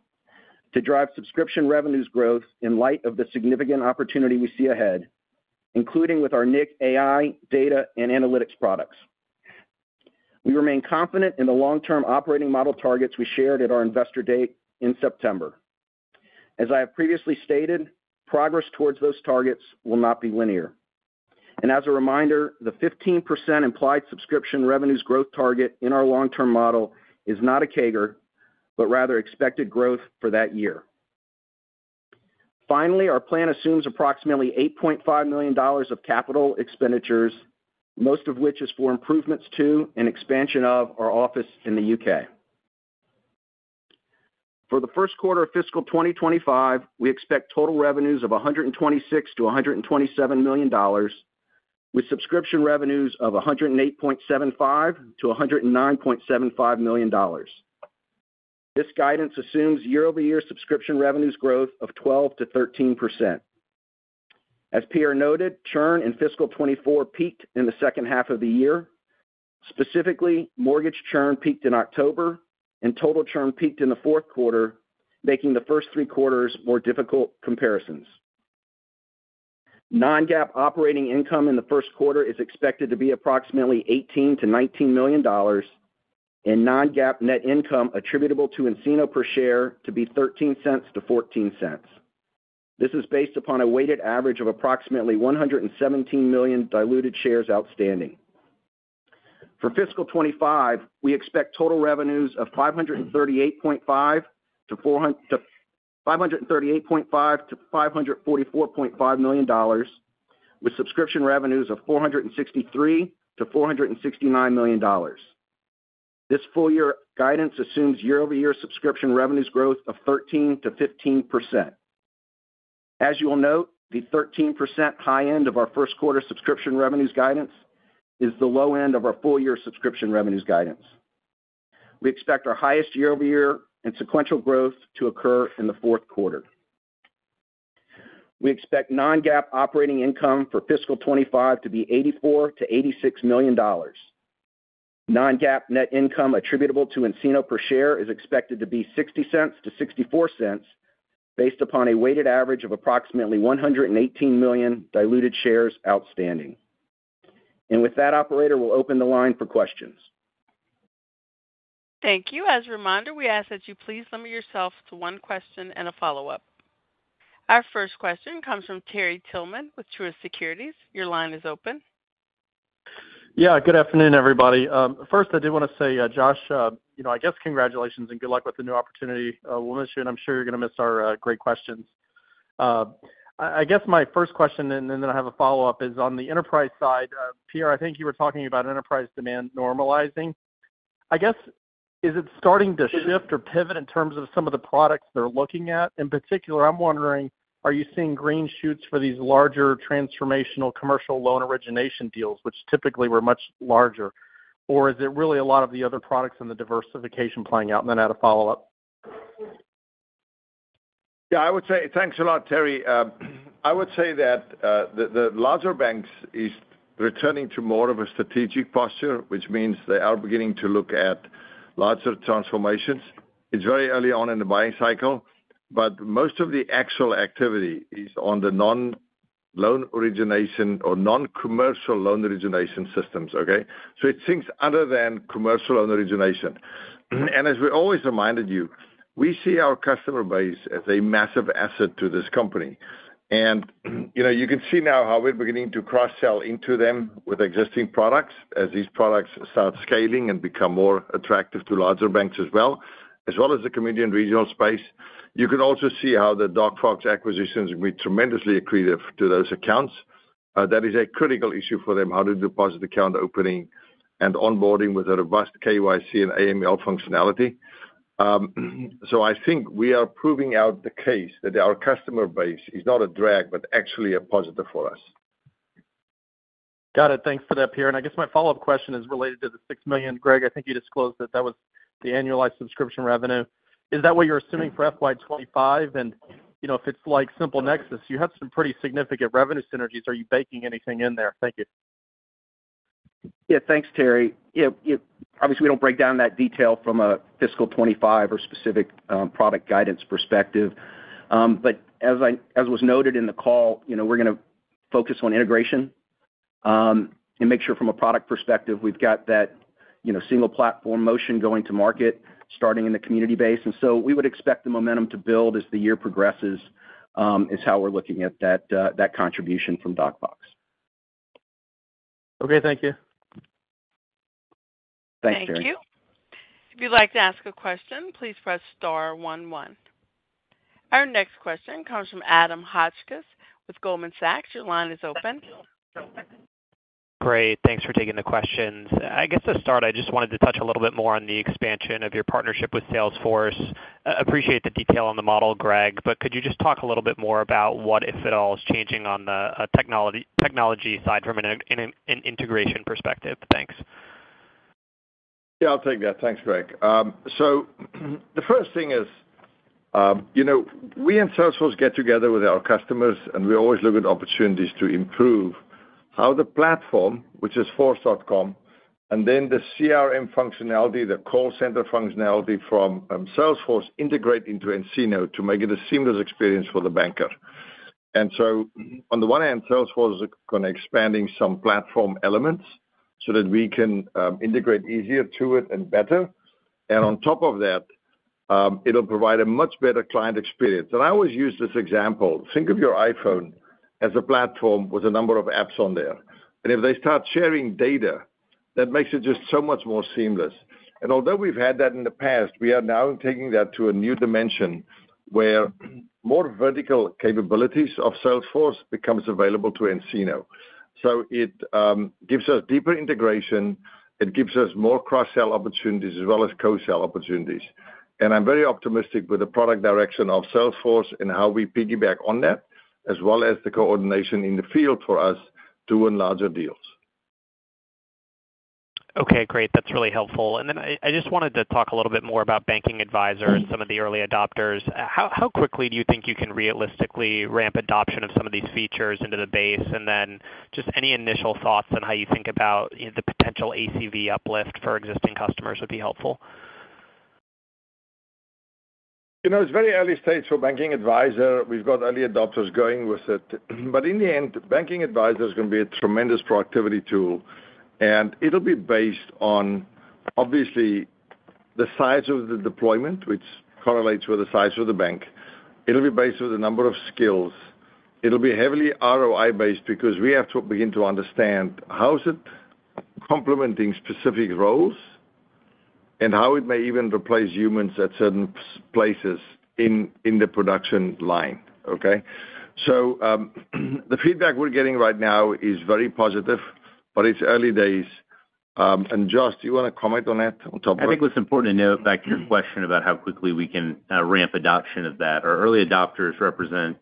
to drive subscription revenues growth in light of the significant opportunity we see ahead, including with our nCino IQ, data, and analytics products. We remain confident in the long-term operating model targets we shared at our Investor Day in September. As I have previously stated, progress towards those targets will not be linear. And as a reminder, the 15% implied subscription revenues growth target in our long-term model is not a CAGR, but rather expected growth for that year. Finally, our plan assumes approximately $8.5 million of capital expenditures, most of which is for improvements to and expansion of our office in the U.K. For the first quarter of fiscal 2025, we expect total revenues of $126 million-$127 million, with subscription revenues of $108.75 million-$109.75 million. This guidance assumes year-over-year subscription revenues growth of 12%-13%. As Pierre noted, churn in fiscal 2024 peaked in the second half of the year. Specifically, mortgage churn peaked in October, and total churn peaked in the fourth quarter, making the first three quarters more difficult comparisons. Non-GAAP operating income in the first quarter is expected to be approximately $18 million-$19 million, and non-GAAP net income attributable to nCino per share to be $0.13-$0.14. This is based upon a weighted average of approximately 117 million diluted shares outstanding. For fiscal 2025, we expect total revenues of $538.5 million-$544.5 million, with subscription revenues of $463 million-$469 million. This full year guidance assumes year-over-year subscription revenues growth of 13%-15%. As you will note, the 13% high end of our first quarter subscription revenues guidance is the low end of our full year subscription revenues guidance. We expect our highest year-over-year and sequential growth to occur in the fourth quarter. We expect non-GAAP operating income for fiscal 2025 to be $84 million-$86 million. Non-GAAP net income attributable to nCino per share is expected to be $0.60-$0.64, based upon a weighted average of approximately 118 million diluted shares outstanding. And with that, operator, we'll open the line for questions. Thank you. As a reminder, we ask that you please limit yourself to one question and a follow-up. Our first question comes from Terry Tillman with Truist Securities. Your line is open. Yeah, good afternoon, everybody. First, I did want to say, Josh, you know, I guess congratulations and good luck with the new opportunity. We'll miss you, and I'm sure you're going to miss our great questions. I guess my first question, and then I have a follow-up, is on the enterprise side. Pierre, I think you were talking about enterprise demand normalizing. I guess, is it starting to shift or pivot in terms of some of the products they're looking at? In particular, I'm wondering, are you seeing green shoots for these larger transformational commercial loan origination deals, which typically were much larger, or is it really a lot of the other products and the diversification playing out? And then I had a follow-up. Yeah, I would say. Thanks a lot, Terry. I would say that the larger banks is returning to more of a strategic posture, which means they are beginning to look at larger transformations. It's very early on in the buying cycle, but most of the actual activity is on the non-loan origination or non-commercial loan origination systems, okay? So it's things other than commercial loan origination. And as we always reminded you, we see our customer base as a massive asset to this company. And, you know, you can see now how we're beginning to cross-sell into them with existing products as these products start scaling and become more attractive to larger banks as well, as well as the community and regional space. You can also see how the DocFox acquisitions will be tremendously accretive to those accounts.... that is a critical issue for them, how to do deposit account opening and onboarding with a robust KYC and AML functionality. So I think we are proving out the case that our customer base is not a drag, but actually a positive for us. Got it. Thanks for that, Pierre. And I guess my follow-up question is related to the $6 million. Greg, I think you disclosed that that was the annualized subscription revenue. Is that what you're assuming for FY 25? And, you know, if it's like SimpleNexus, you have some pretty significant revenue synergies. Are you baking anything in there? Thank you. Yeah, thanks, Terry. Yeah, yeah, obviously, we don't break down that detail from a fiscal 25 or specific product guidance perspective. But as was noted in the call, you know, we're gonna focus on integration and make sure from a product perspective, we've got that, you know, single platform motion going to market, starting in the community base. And so we would expect the momentum to build as the year progresses, is how we're looking at that, that contribution from DocFox. Okay, thank you. Thanks, Terry. Thank you. If you'd like to ask a question, please press star one, one. Our next question comes from Adam Hotchkiss with Goldman Sachs. Your line is open. Great, thanks for taking the questions. I guess, to start, I just wanted to touch a little bit more on the expansion of your partnership with Salesforce. Appreciate the detail on the model, Greg, but could you just talk a little bit more about what, if at all, is changing on the technology side from an integration perspective? Thanks. Yeah, I'll take that. Thanks, Greg. So the first thing is, you know, we and Salesforce get together with our customers, and we always look at opportunities to improve how the platform, which is force.com, and then the CRM functionality, the call center functionality from Salesforce, integrate into nCino to make it a seamless experience for the banker. And so on the one hand, Salesforce is kind of expanding some platform elements so that we can integrate easier to it and better. And on top of that, it'll provide a much better client experience. And I always use this example: think of your iPhone as a platform with a number of apps on there, and if they start sharing data, that makes it just so much more seamless. And although we've had that in the past, we are now taking that to a new dimension, where more vertical capabilities of Salesforce becomes available to nCino. So it, gives us deeper integration, it gives us more cross-sell opportunities, as well as co-sell opportunities. And I'm very optimistic with the product direction of Salesforce and how we piggyback on that, as well as the coordination in the field for us to win larger deals. Okay, great. That's really helpful. And then I just wanted to talk a little bit more about Banking Advisors, some of the early adopters. How quickly do you think you can realistically ramp adoption of some of these features into the base? And then just any initial thoughts on how you think about, you know, the potential ACV uplift for existing customers would be helpful. You know, it's very early stage for Banking Advisor. We've got early adopters going with it. But in the end, Banking Advisor is gonna be a tremendous productivity tool, and it'll be based on, obviously, the size of the deployment, which correlates with the size of the bank. It'll be based on the number of skills. It'll be heavily ROI-based because we have to begin to understand how is it complementing specific roles and how it may even replace humans at certain places in the production line, okay? So, the feedback we're getting right now is very positive, but it's early days. And Josh, do you want to comment on that on top of that? I think what's important to note, back to your question about how quickly we can ramp adoption of that, our early adopters represent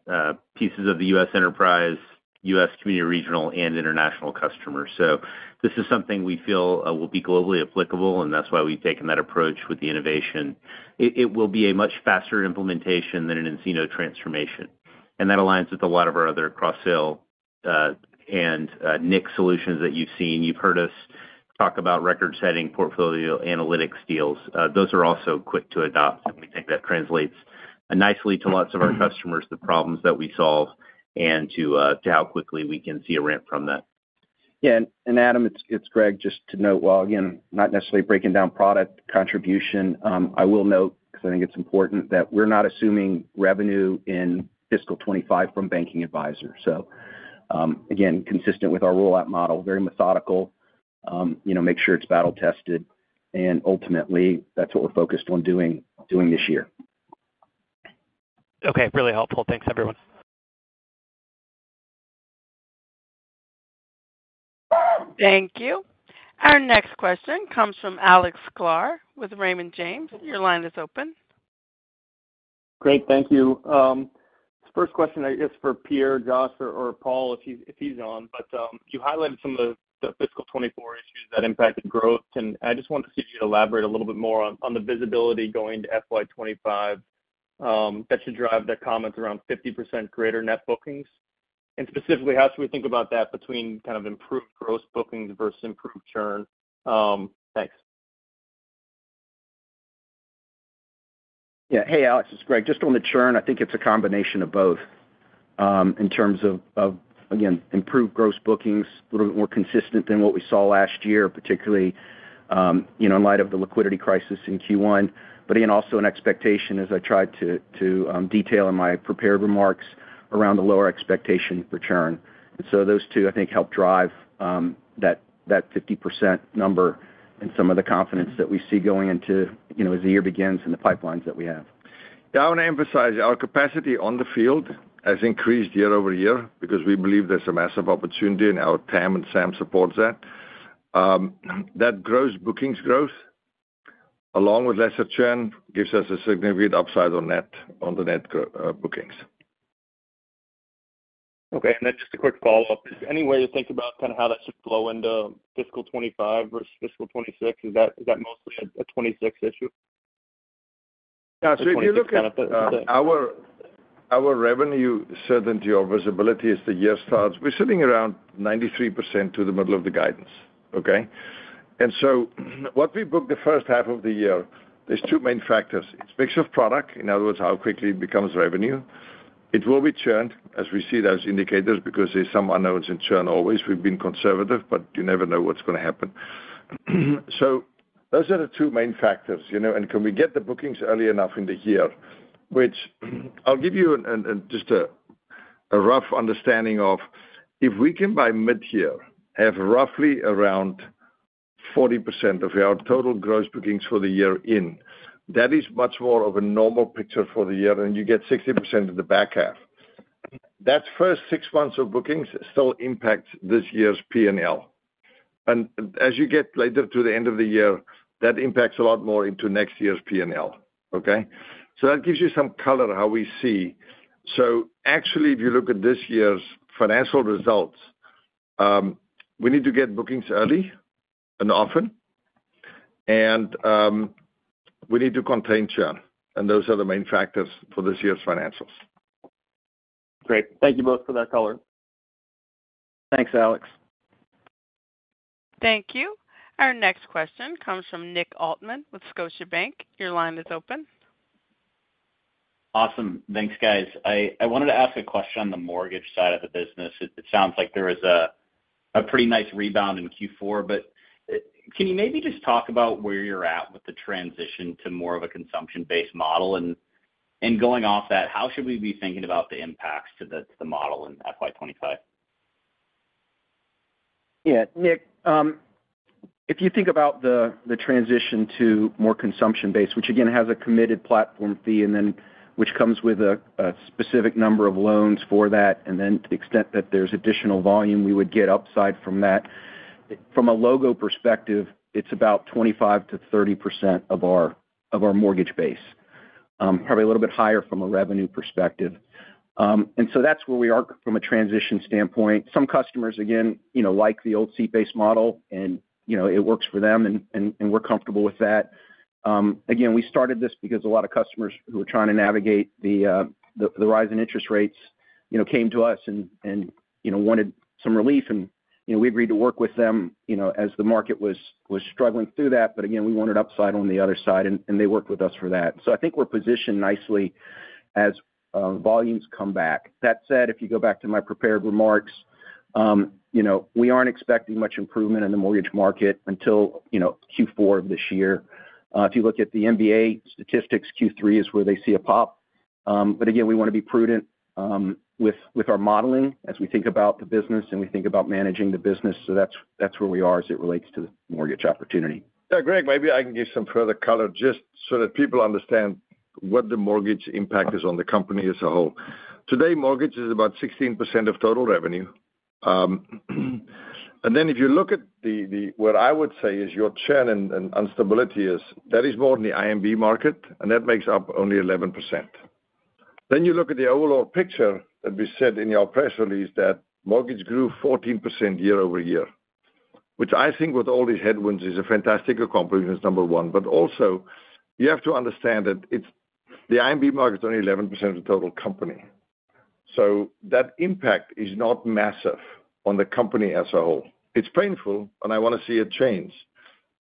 pieces of the U.S. enterprise, U.S. community, regional, and international customers. So this is something we feel will be globally applicable, and that's why we've taken that approach with the innovation. It will be a much faster implementation than an nCino transformation, and that aligns with a lot of our other cross-sell and nCino solutions that you've seen. You've heard us talk about record-setting Portfolio Analytics deals. Those are also quick to adopt, and we think that translates nicely to lots of our customers, the problems that we solve, and to how quickly we can see a ramp from that. Yeah, and Adam, it's Greg, just to note, while again, not necessarily breaking down product contribution, I will note, because I think it's important, that we're not assuming revenue in fiscal 25 from Banking Advisors. So, again, consistent with our rollout model, very methodical, you know, make sure it's battle-tested, and ultimately, that's what we're focused on doing this year. Okay, really helpful. Thanks, everyone. Thank you. Our next question comes from Alex Sklar with Raymond James. Your line is open. Great. Thank you. First question, I guess, for Pierre, Josh, or Paul, if he's on. But you highlighted some of the fiscal 2024 issues that impacted growth, and I just wanted to see if you could elaborate a little bit more on the visibility going to FY 2025 that should drive the comments around 50% greater net bookings. And specifically, how should we think about that between kind of improved gross bookings versus improved churn? Thanks. Yeah. Hey, Alex, it's Greg. Just on the churn, I think it's a combination of both, in terms of, again, improved gross bookings, a little bit more consistent than what we saw last year, particularly, you know, in light of the liquidity crisis in Q1. But again, also an expectation, as I tried to detail in my prepared remarks around the lower expectation for churn. And so those two, I think, help drive that 50% number and some of the confidence that we see going into, you know, as the year begins and the pipelines that we have. Yeah, I want to emphasize, our capacity on the field has increased year-over-year because we believe there's a massive opportunity, and our TAM and SAM supports that. That gross bookings growth, along with lesser churn, gives us a significant upside on net bookings. Okay. And then just a quick follow-up. Any way to think about kind of how that should flow into fiscal 2025 versus fiscal 2026? Is that, is that mostly a 2026 issue? Yeah, so if you look at our, our revenue certainty or visibility as the year starts, we're sitting around 93% to the middle of the guidance, okay? And so what we book the first half of the year, there's two main factors. It's mix of product, in other words, how quickly it becomes revenue. It will be churned, as we see those indicators, because there's some unknowns in churn always. We've been conservative, but you never know what's going to happen. So those are the two main factors, you know, and can we get the bookings early enough in the year, which I'll give you just a rough understanding of if we can, by mid-year, have roughly around 40% of our total gross bookings for the year in, that is much more of a normal picture for the year, and you get 60% in the back half. That first six months of bookings still impacts this year's P&L. And as you get later to the end of the year, that impacts a lot more into next year's P&L, okay? So that gives you some color how we see. So actually, if you look at this year's financial results, we need to get bookings early and often, and we need to contain churn, and those are the main factors for this year's financials. Great. Thank you both for that color. Thanks, Alex. Thank you. Our next question comes from Nick Altman with Scotiabank. Your line is open. Awesome. Thanks, guys. I wanted to ask a question on the mortgage side of the business. It sounds like there was a pretty nice rebound in Q4, but can you maybe just talk about where you're at with the transition to more of a consumption-based model? And going off that, how should we be thinking about the impacts to the model in FY 25? Yeah, Nick, if you think about the transition to more consumption-based, which again, has a committed platform fee, and then which comes with a specific number of loans for that, and then to the extent that there's additional volume, we would get upside from that. From a logo perspective, it's about 25%-30% of our, of our mortgage base, probably a little bit higher from a revenue perspective. And so that's where we are from a transition standpoint. Some customers, again, you know, like the old seat-based model, and, you know, it works for them, and we're comfortable with that. Again, we started this because a lot of customers who were trying to navigate the rise in interest rates, you know, came to us and, you know, wanted some relief, and, you know, we agreed to work with them, you know, as the market was struggling through that. But again, we wanted upside on the other side, and they worked with us for that. So I think we're positioned nicely as volumes come back. That said, if you go back to my prepared remarks, you know, we aren't expecting much improvement in the mortgage market until, you know, Q4 of this year. If you look at the MBA statistics, Q3 is where they see a pop. But again, we want to be prudent, with our modeling as we think about the business, and we think about managing the business. So that's where we are as it relates to the mortgage opportunity. Yeah, Greg, maybe I can give some further color just so that people understand what the mortgage impact is on the company as a whole. Today, mortgage is about 16% of total revenue. And then if you look at what I would say is your churn and instability that is more in the IMB market, and that makes up only 11%. Then you look at the overall picture that we said in your press release, that mortgage grew 14% year-over-year, which I think with all these headwinds is a fantastic accomplishment, is number one. But also, you have to understand that it's the IMB market is only 11% of the total company. So that impact is not massive on the company as a whole. It's painful, and I want to see it change.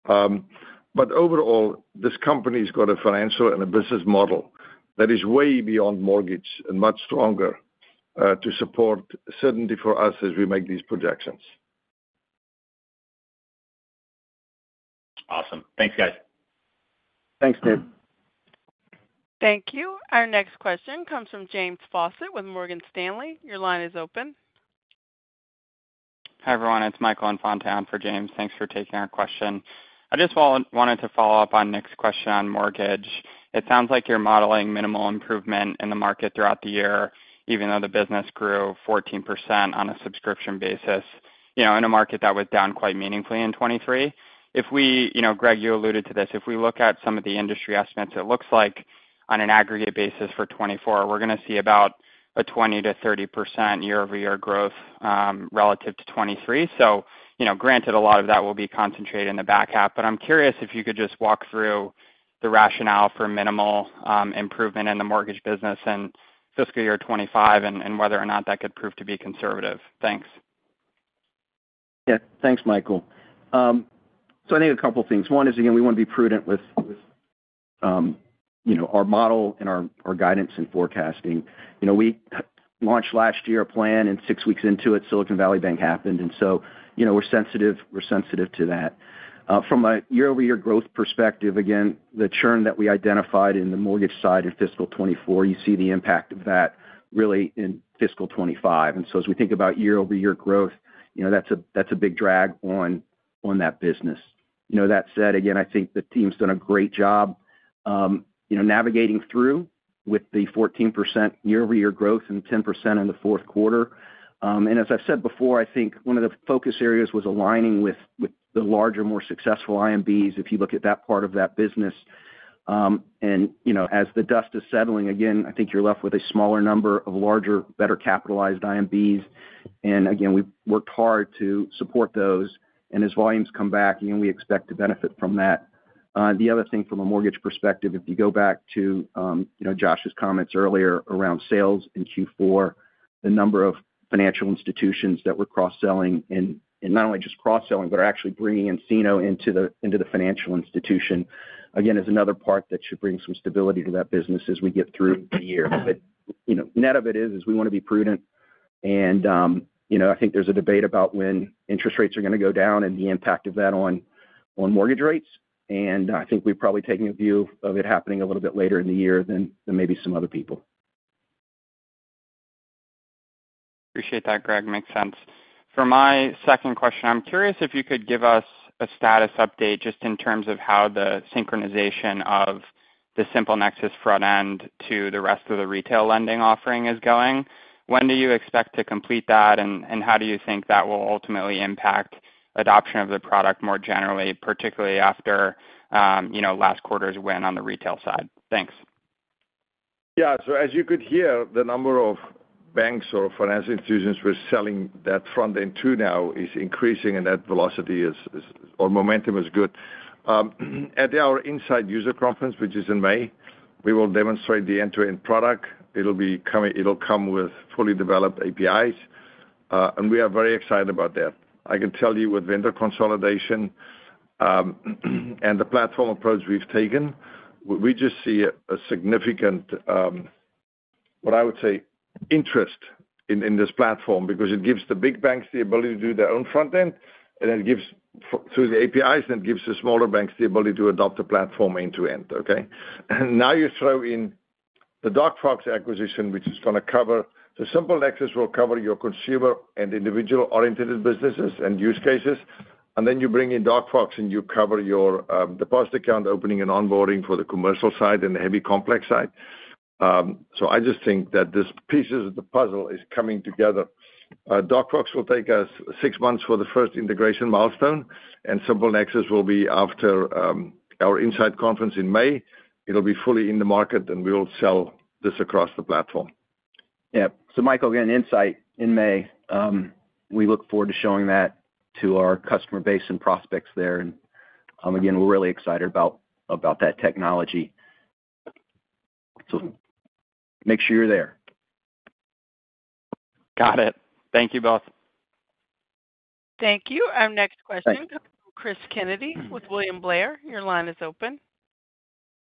But overall, this company's got a financial and a business model that is way beyond mortgage and much stronger to support certainty for us as we make these projections. Awesome. Thanks, guys. Thanks, Nick. Thank you. Our next question comes from James Faucette with Morgan Stanley. Your line is open. Hi, everyone. It's Michael Infante for James. Thanks for taking our question. I just wanted to follow up on Nick's question on mortgage. It sounds like you're modeling minimal improvement in the market throughout the year, even though the business grew 14% on a subscription basis, you know, in a market that was down quite meaningfully in 2023. If we... You know, Greg, you alluded to this. If we look at some of the industry estimates, it looks like on an aggregate basis for 2024, we're gonna see about a 20%-30% year-over-year growth, relative to 2023. So, you know, granted, a lot of that will be concentrated in the back half. But I'm curious if you could just walk through the rationale for minimal improvement in the mortgage business in fiscal year 2025 and whether or not that could prove to be conservative. Thanks. Yeah. Thanks, Michael. So I think a couple things. One is, again, we want to be prudent with, with, you know, our model and our, our guidance and forecasting. You know, we launched last year a plan, and six weeks into it, Silicon Valley Bank happened, and so, you know, we're sensitive, we're sensitive to that. From a year-over-year growth perspective, again, the churn that we identified in the mortgage side in fiscal 2024, you see the impact of that really in fiscal 2025. And so as we think about year-over-year growth, you know, that's a, that's a big drag on, on that business... You know, that said, again, I think the team's done a great job, you know, navigating through with the 14% year-over-year growth and 10% in the fourth quarter. As I've said before, I think one of the focus areas was aligning with the larger, more successful IMBs, if you look at that part of that business. You know, as the dust is settling, again, I think you're left with a smaller number of larger, better capitalized IMBs. And again, we've worked hard to support those. And as volumes come back, you know, we expect to benefit from that. The other thing from a mortgage perspective, if you go back to you know, Josh's comments earlier around sales in Q4, the number of financial institutions that we're cross-selling, and not only just cross-selling, but are actually bringing nCino into the financial institution, again, is another part that should bring some stability to that business as we get through the year. But, you know, net of it is we wanna be prudent. You know, I think there's a debate about when interest rates are gonna go down and the impact of that on mortgage rates. I think we've probably taken a view of it happening a little bit later in the year than maybe some other people. Appreciate that, Greg. Makes sense. For my second question, I'm curious if you could give us a status update just in terms of how the synchronization of the SimpleNexus front end to the rest of the retail lending offering is going. When do you expect to complete that, and, and how do you think that will ultimately impact adoption of the product more generally, particularly after, you know, last quarter's win on the retail side? Thanks. Yeah. So as you could hear, the number of banks or financial institutions we're selling that front end to now is increasing, and that velocity is or momentum is good. At our nSight user conference, which is in May, we will demonstrate the end-to-end product. It'll come with fully developed APIs, and we are very excited about that. I can tell you with vendor consolidation and the platform approach we've taken, we just see a significant what I would say interest in this platform, because it gives the big banks the ability to do their own front end, and it gives through the APIs, then gives the smaller banks the ability to adopt a platform end to end, okay? Now you throw in the DocFox acquisition, which is gonna cover... So SimpleNexus will cover your consumer and individual-oriented businesses and use cases, and then you bring in DocFox, and you cover your deposit account opening and onboarding for the commercial side and the heavy complex side. So I just think that this pieces of the puzzle is coming together. DocFox will take us six months for the first integration milestone, and SimpleNexus will be after our nSight conference in May. It'll be fully in the market, and we will sell this across the platform. Yeah. So Michael, again, nSight in May, we look forward to showing that to our customer base and prospects there. And, again, we're really excited about, about that technology. So make sure you're there. Got it. Thank you both. Thank you. Thanks. Our next question, Chris Kennedy with William Blair. Your line is open.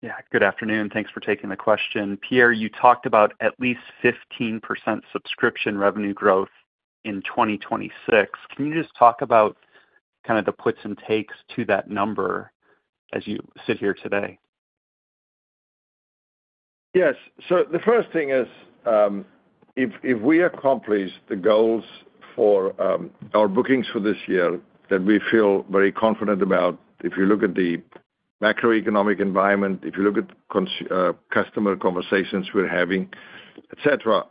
Yeah, good afternoon. Thanks for taking the question. Pierre, you talked about at least 15% subscription revenue growth in 2026. Can you just talk about kind of the puts and takes to that number as you sit here today? Yes. So the first thing is, if we accomplish the goals for our bookings for this year, that we feel very confident about, if you look at the macroeconomic environment, if you look at customer conversations we're having, et cetera,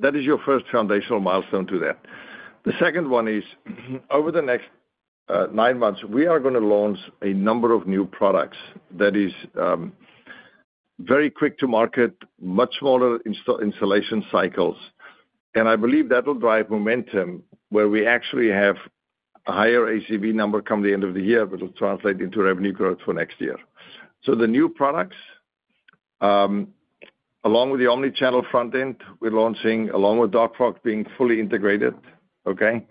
that is your first foundational milestone to that. The second one is, over the next nine months, we are gonna launch a number of new products that is very quick to market, much smaller installation cycles. And I believe that will drive momentum, where we actually have a higher ACV number come the end of the year, but it'll translate into revenue growth for next year. So the new products, along with the omni-channel front end, we're launching, along with DocFox being fully integrated, okay?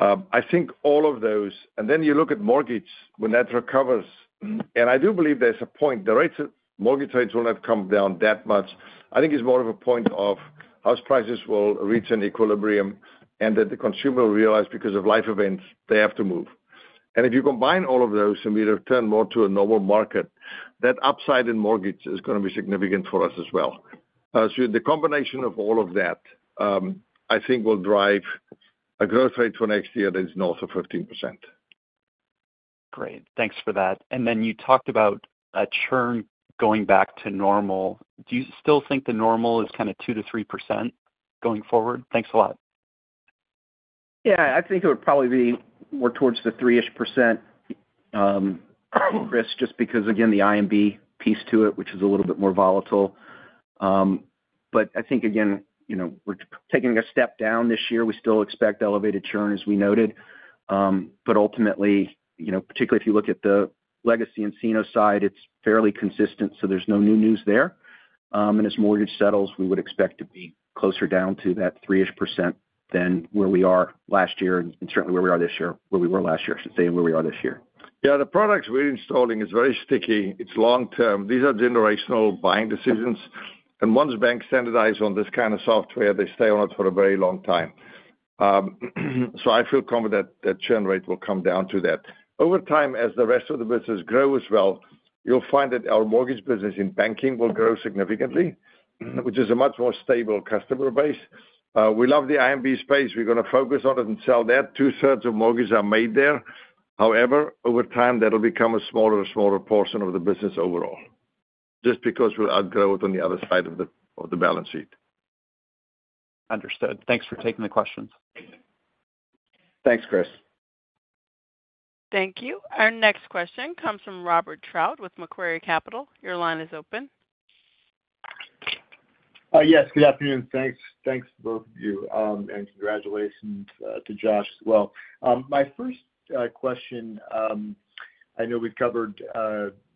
I think all of those. And then you look at mortgage, when that recovers, and I do believe there's a point, the rates, mortgage rates will not come down that much. I think it's more of a point of house prices will reach an equilibrium and that the consumer will realize, because of life events, they have to move. And if you combine all of those, and we return more to a normal market, that upside in mortgage is gonna be significant for us as well. So the combination of all of that, I think will drive a growth rate for next year that is north of 15%. Great. Thanks for that. And then you talked about a churn going back to normal. Do you still think the normal is kind of 2%-3% going forward? Thanks a lot. Yeah, I think it would probably be more towards the 3-ish%, Chris, just because, again, the IMB piece to it, which is a little bit more volatile. But I think again, you know, we're taking a step down this year. We still expect elevated churn, as we noted. But ultimately, you know, particularly if you look at the legacy nCino side, it's fairly consistent, so there's no new news there. And as mortgage settles, we would expect to be closer down to that 3-ish% than where we are last year, and certainly where we are this year-where we were last year, I should say, and where we are this year. Yeah, the products we're installing is very sticky. It's long term. These are generational buying decisions, and once banks standardize on this kind of software, they stay on it for a very long time. So I feel confident that that churn rate will come down to that. Over time, as the rest of the business grow as well, you'll find that our mortgage business in banking will grow significantly, which is a much more stable customer base. We love the IMB space. We're gonna focus on it and sell that, 2/3 of mortgages are made there. However, over time, that'll become a smaller and smaller portion of the business overall... just because we'll outgrow it on the other side of the balance sheet. Understood. Thanks for taking the questions. Thanks, Chris. Thank you. Our next question comes from Robert Napoli with Macquarie Capital. Your line is open. Yes, good afternoon. Thanks, thanks to both of you. And congratulations to Josh as well. My first question, I know we've covered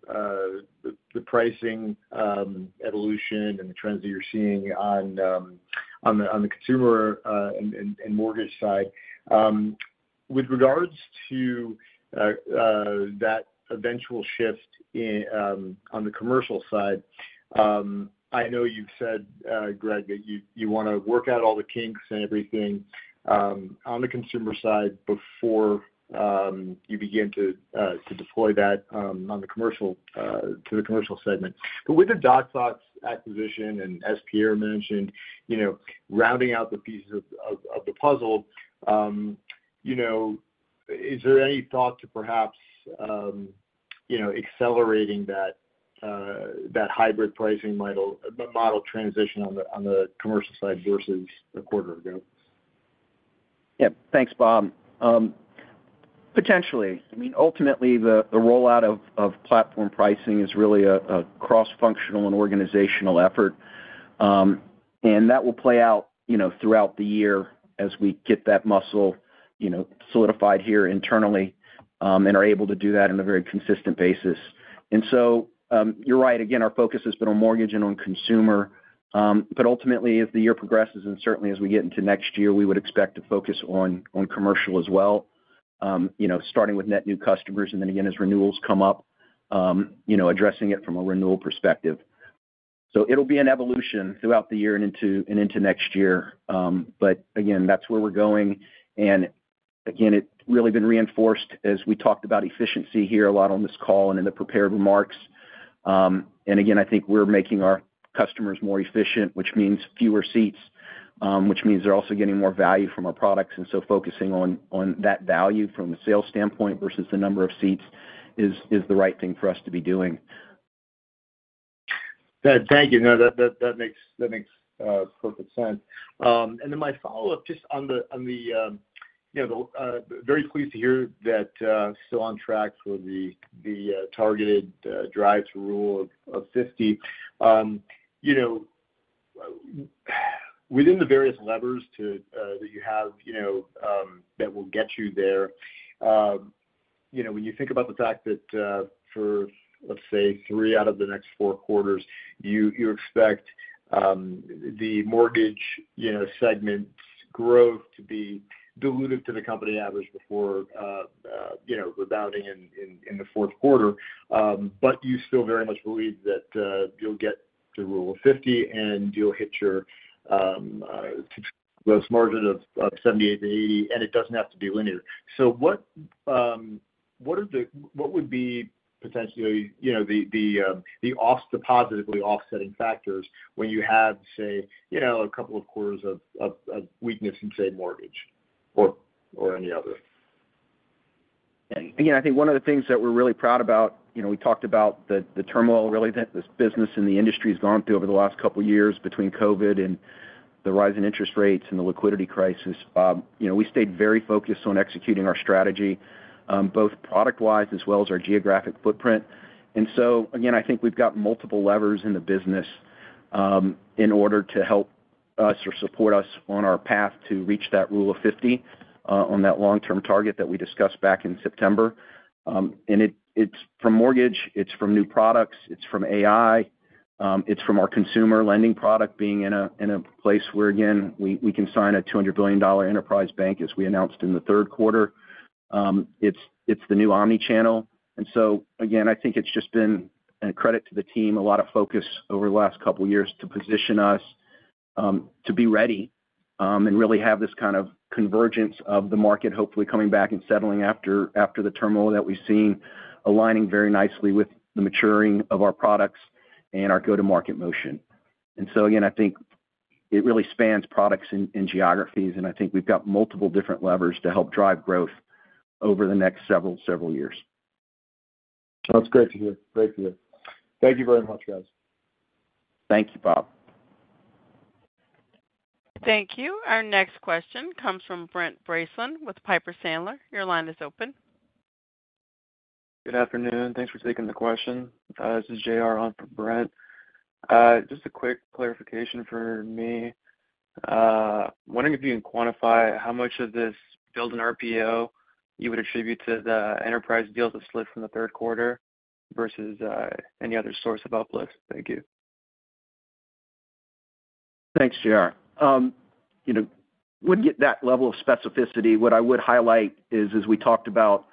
the pricing evolution and the trends that you're seeing on the consumer and mortgage side. With regards to that eventual shift on the commercial side, I know you've said, Greg, that you want to work out all the kinks and everything on the consumer side before you begin to deploy that on the commercial to the commercial segment. But with the DocFox acquisition, and as Pierre mentioned, you know, rounding out the pieces of the puzzle, you know, is there any thought to perhaps, you know, accelerating that, that hybrid pricing model, the model transition on the, on the commercial side versus a quarter ago? Yeah. Thanks, Bob. Potentially. I mean, ultimately, the rollout of platform pricing is really a cross-functional and organizational effort. And that will play out, you know, throughout the year as we get that muscle, you know, solidified here internally, and are able to do that on a very consistent basis. And so, you're right. Again, our focus has been on mortgage and on consumer, but ultimately, as the year progresses, and certainly as we get into next year, we would expect to focus on commercial as well. You know, starting with net new customers, and then again, as renewals come up, you know, addressing it from a renewal perspective. So it'll be an evolution throughout the year and into next year. But again, that's where we're going. And again, it's really been reinforced as we talked about efficiency here a lot on this call and in the prepared remarks. And again, I think we're making our customers more efficient, which means fewer seats, which means they're also getting more value from our products, and so focusing on that value from a sales standpoint versus the number of seats is the right thing for us to be doing. Good. Thank you. No, that makes perfect sense. And then my follow-up, just on the, you know, the very pleased to hear that, still on track for the targeted drive to Rule of 50. You know, within the various levers to that you have, you know, that will get you there, you know, when you think about the fact that, for, let's say, three out of the next four quarters, you expect the mortgage, you know, segment's growth to be dilutive to the company average before, you know, rebounding in the fourth quarter. But you still very much believe that you'll get to Rule of 50, and you'll hit your gross margin of 78-80, and it doesn't have to be linear. So what would be potentially, you know, the positively offsetting factors when you have, say, you know, a couple of quarters of weakness in, say, mortgage or any other? Yeah. Again, I think one of the things that we're really proud about, you know, we talked about the turmoil really that this business and the industry has gone through over the last couple of years between COVID and the rise in interest rates and the liquidity crisis. You know, we stayed very focused on executing our strategy, both product-wise as well as our geographic footprint. And so, again, I think we've got multiple levers in the business, in order to help us or support us on our path to reach that Rule of 50, on that long-term target that we discussed back in September. And it, it's from mortgage, it's from new products, it's from AI, it's from our consumer lending product being in a place where, again, we can sign a $200 billion enterprise bank, as we announced in the third quarter. It's the new omni-channel. And so again, I think it's just been a credit to the team, a lot of focus over the last couple of years to position us to be ready and really have this kind of convergence of the market hopefully coming back and settling after the turmoil that we've seen, aligning very nicely with the maturing of our products and our go-to-market motion. And so again, I think it really spans products and geographies, and I think we've got multiple different levers to help drive growth over the next several years. That's great to hear. Great to hear. Thank you very much, guys. Thank you, Bob. Thank you. Our next question comes from Brent Bracelin with Piper Sandler. Your line is open. Good afternoon. Thanks for taking the question. This is J.R. on for Brent. Just a quick clarification for me. Wondering if you can quantify how much of this build in RPO you would attribute to the enterprise deals that slid from the third quarter versus any other source of uplift? Thank you. Thanks, J.R. You know, wouldn't get that level of specificity. What I would highlight is, as we talked about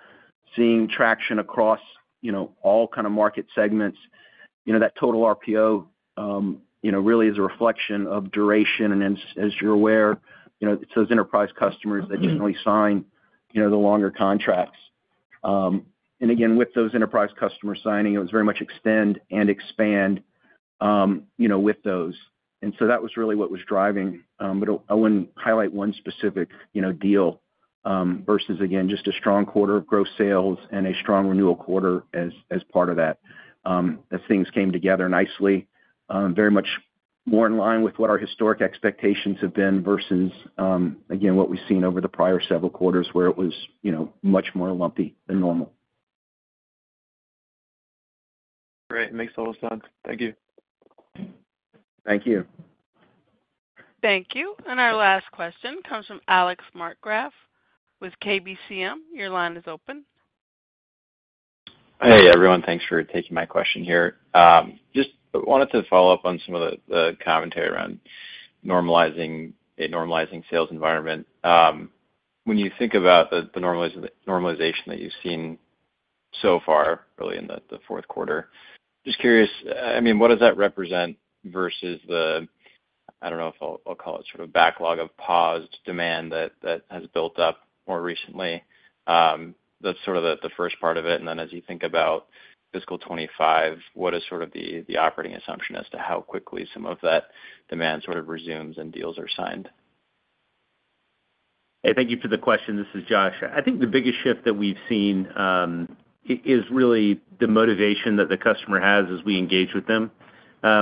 seeing traction across, you know, all kind of market segments, you know, that total RPO, you know, really is a reflection of duration. And as, as you're aware, you know, it's those enterprise customers that generally sign, you know, the longer contracts. And again, with those enterprise customers signing, it was very much extend and expand.... you know, with those. And so that was really what was driving, but I wouldn't highlight one specific, you know, deal, versus again, just a strong quarter of gross sales and a strong renewal quarter as part of that. As things came together nicely, very much more in line with what our historic expectations have been versus, again, what we've seen over the prior several quarters, where it was, you know, much more lumpy than normal. Great. Makes a lot of sense. Thank you. Thank you. Thank you. And our last question comes from Alex Markgraff with KBCM. Your line is open. Hey, everyone. Thanks for taking my question here. Just wanted to follow up on some of the commentary around normalizing, a normalizing sales environment. When you think about the normalization that you've seen so far, really in the fourth quarter, just curious, I mean, what does that represent versus the... I don't know if I'll call it sort of backlog of paused demand that has built up more recently? That's sort of the first part of it. And then as you think about fiscal 25, what is sort of the operating assumption as to how quickly some of that demand sort of resumes and deals are signed? Hey, thank you for the question. This is Josh. I think the biggest shift that we've seen is really the motivation that the customer has as we engage with them.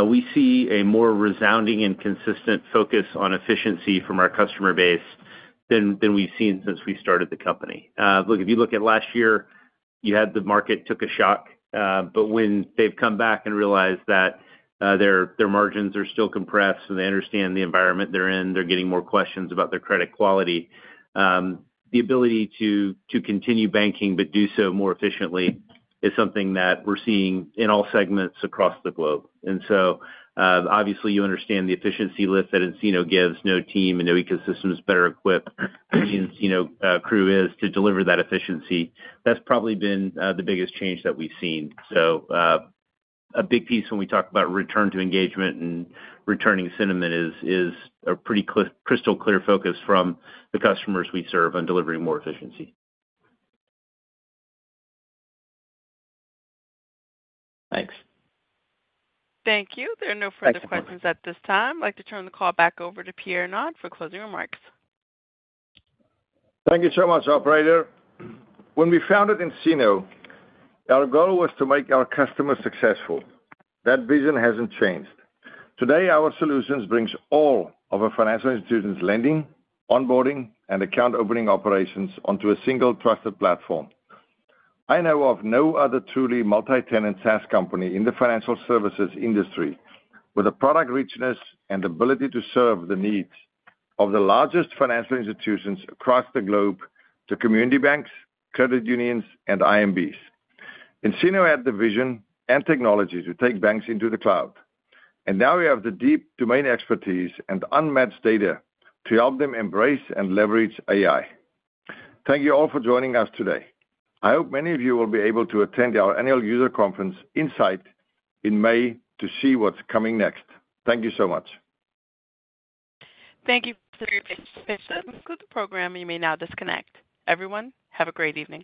We see a more resounding and consistent focus on efficiency from our customer base than we've seen since we started the company. Look, if you look at last year, you had the market took a shock, but when they've come back and realized that their margins are still compressed, and they understand the environment they're in, they're getting more questions about their credit quality. The ability to continue banking, but do so more efficiently, is something that we're seeing in all segments across the globe. And so, obviously, you understand the efficiency lift that nCino gives. No team and no ecosystem is better equipped than nCino crew is to deliver that efficiency. That's probably been the biggest change that we've seen. So, a big piece when we talk about return to engagement and returning sentiment is a pretty crystal clear focus from the customers we serve on delivering more efficiency. Thanks. Thank you. There are no further questions at this time. I'd like to turn the call back over to Pierre Naude for closing remarks. Thank you so much, operator. When we founded nCino, our goal was to make our customers successful. That vision hasn't changed. Today, our solutions brings all of our financial institutions lending, onboarding, and account opening operations onto a single trusted platform. I know of no other truly multi-tenant SaaS company in the financial services industry with the product richness and ability to serve the needs of the largest financial institutions across the globe, to community banks, credit unions, and IMBs. nCino had the vision and technology to take banks into the cloud, and now we have the deep domain expertise and unmatched data to help them embrace and leverage AI. Thank you all for joining us today. I hope many of you will be able to attend our annual user conference, nSight, in May to see what's coming next. Thank you so much. Thank you for your participation. This concludes the program. You may now disconnect. Everyone, have a great evening.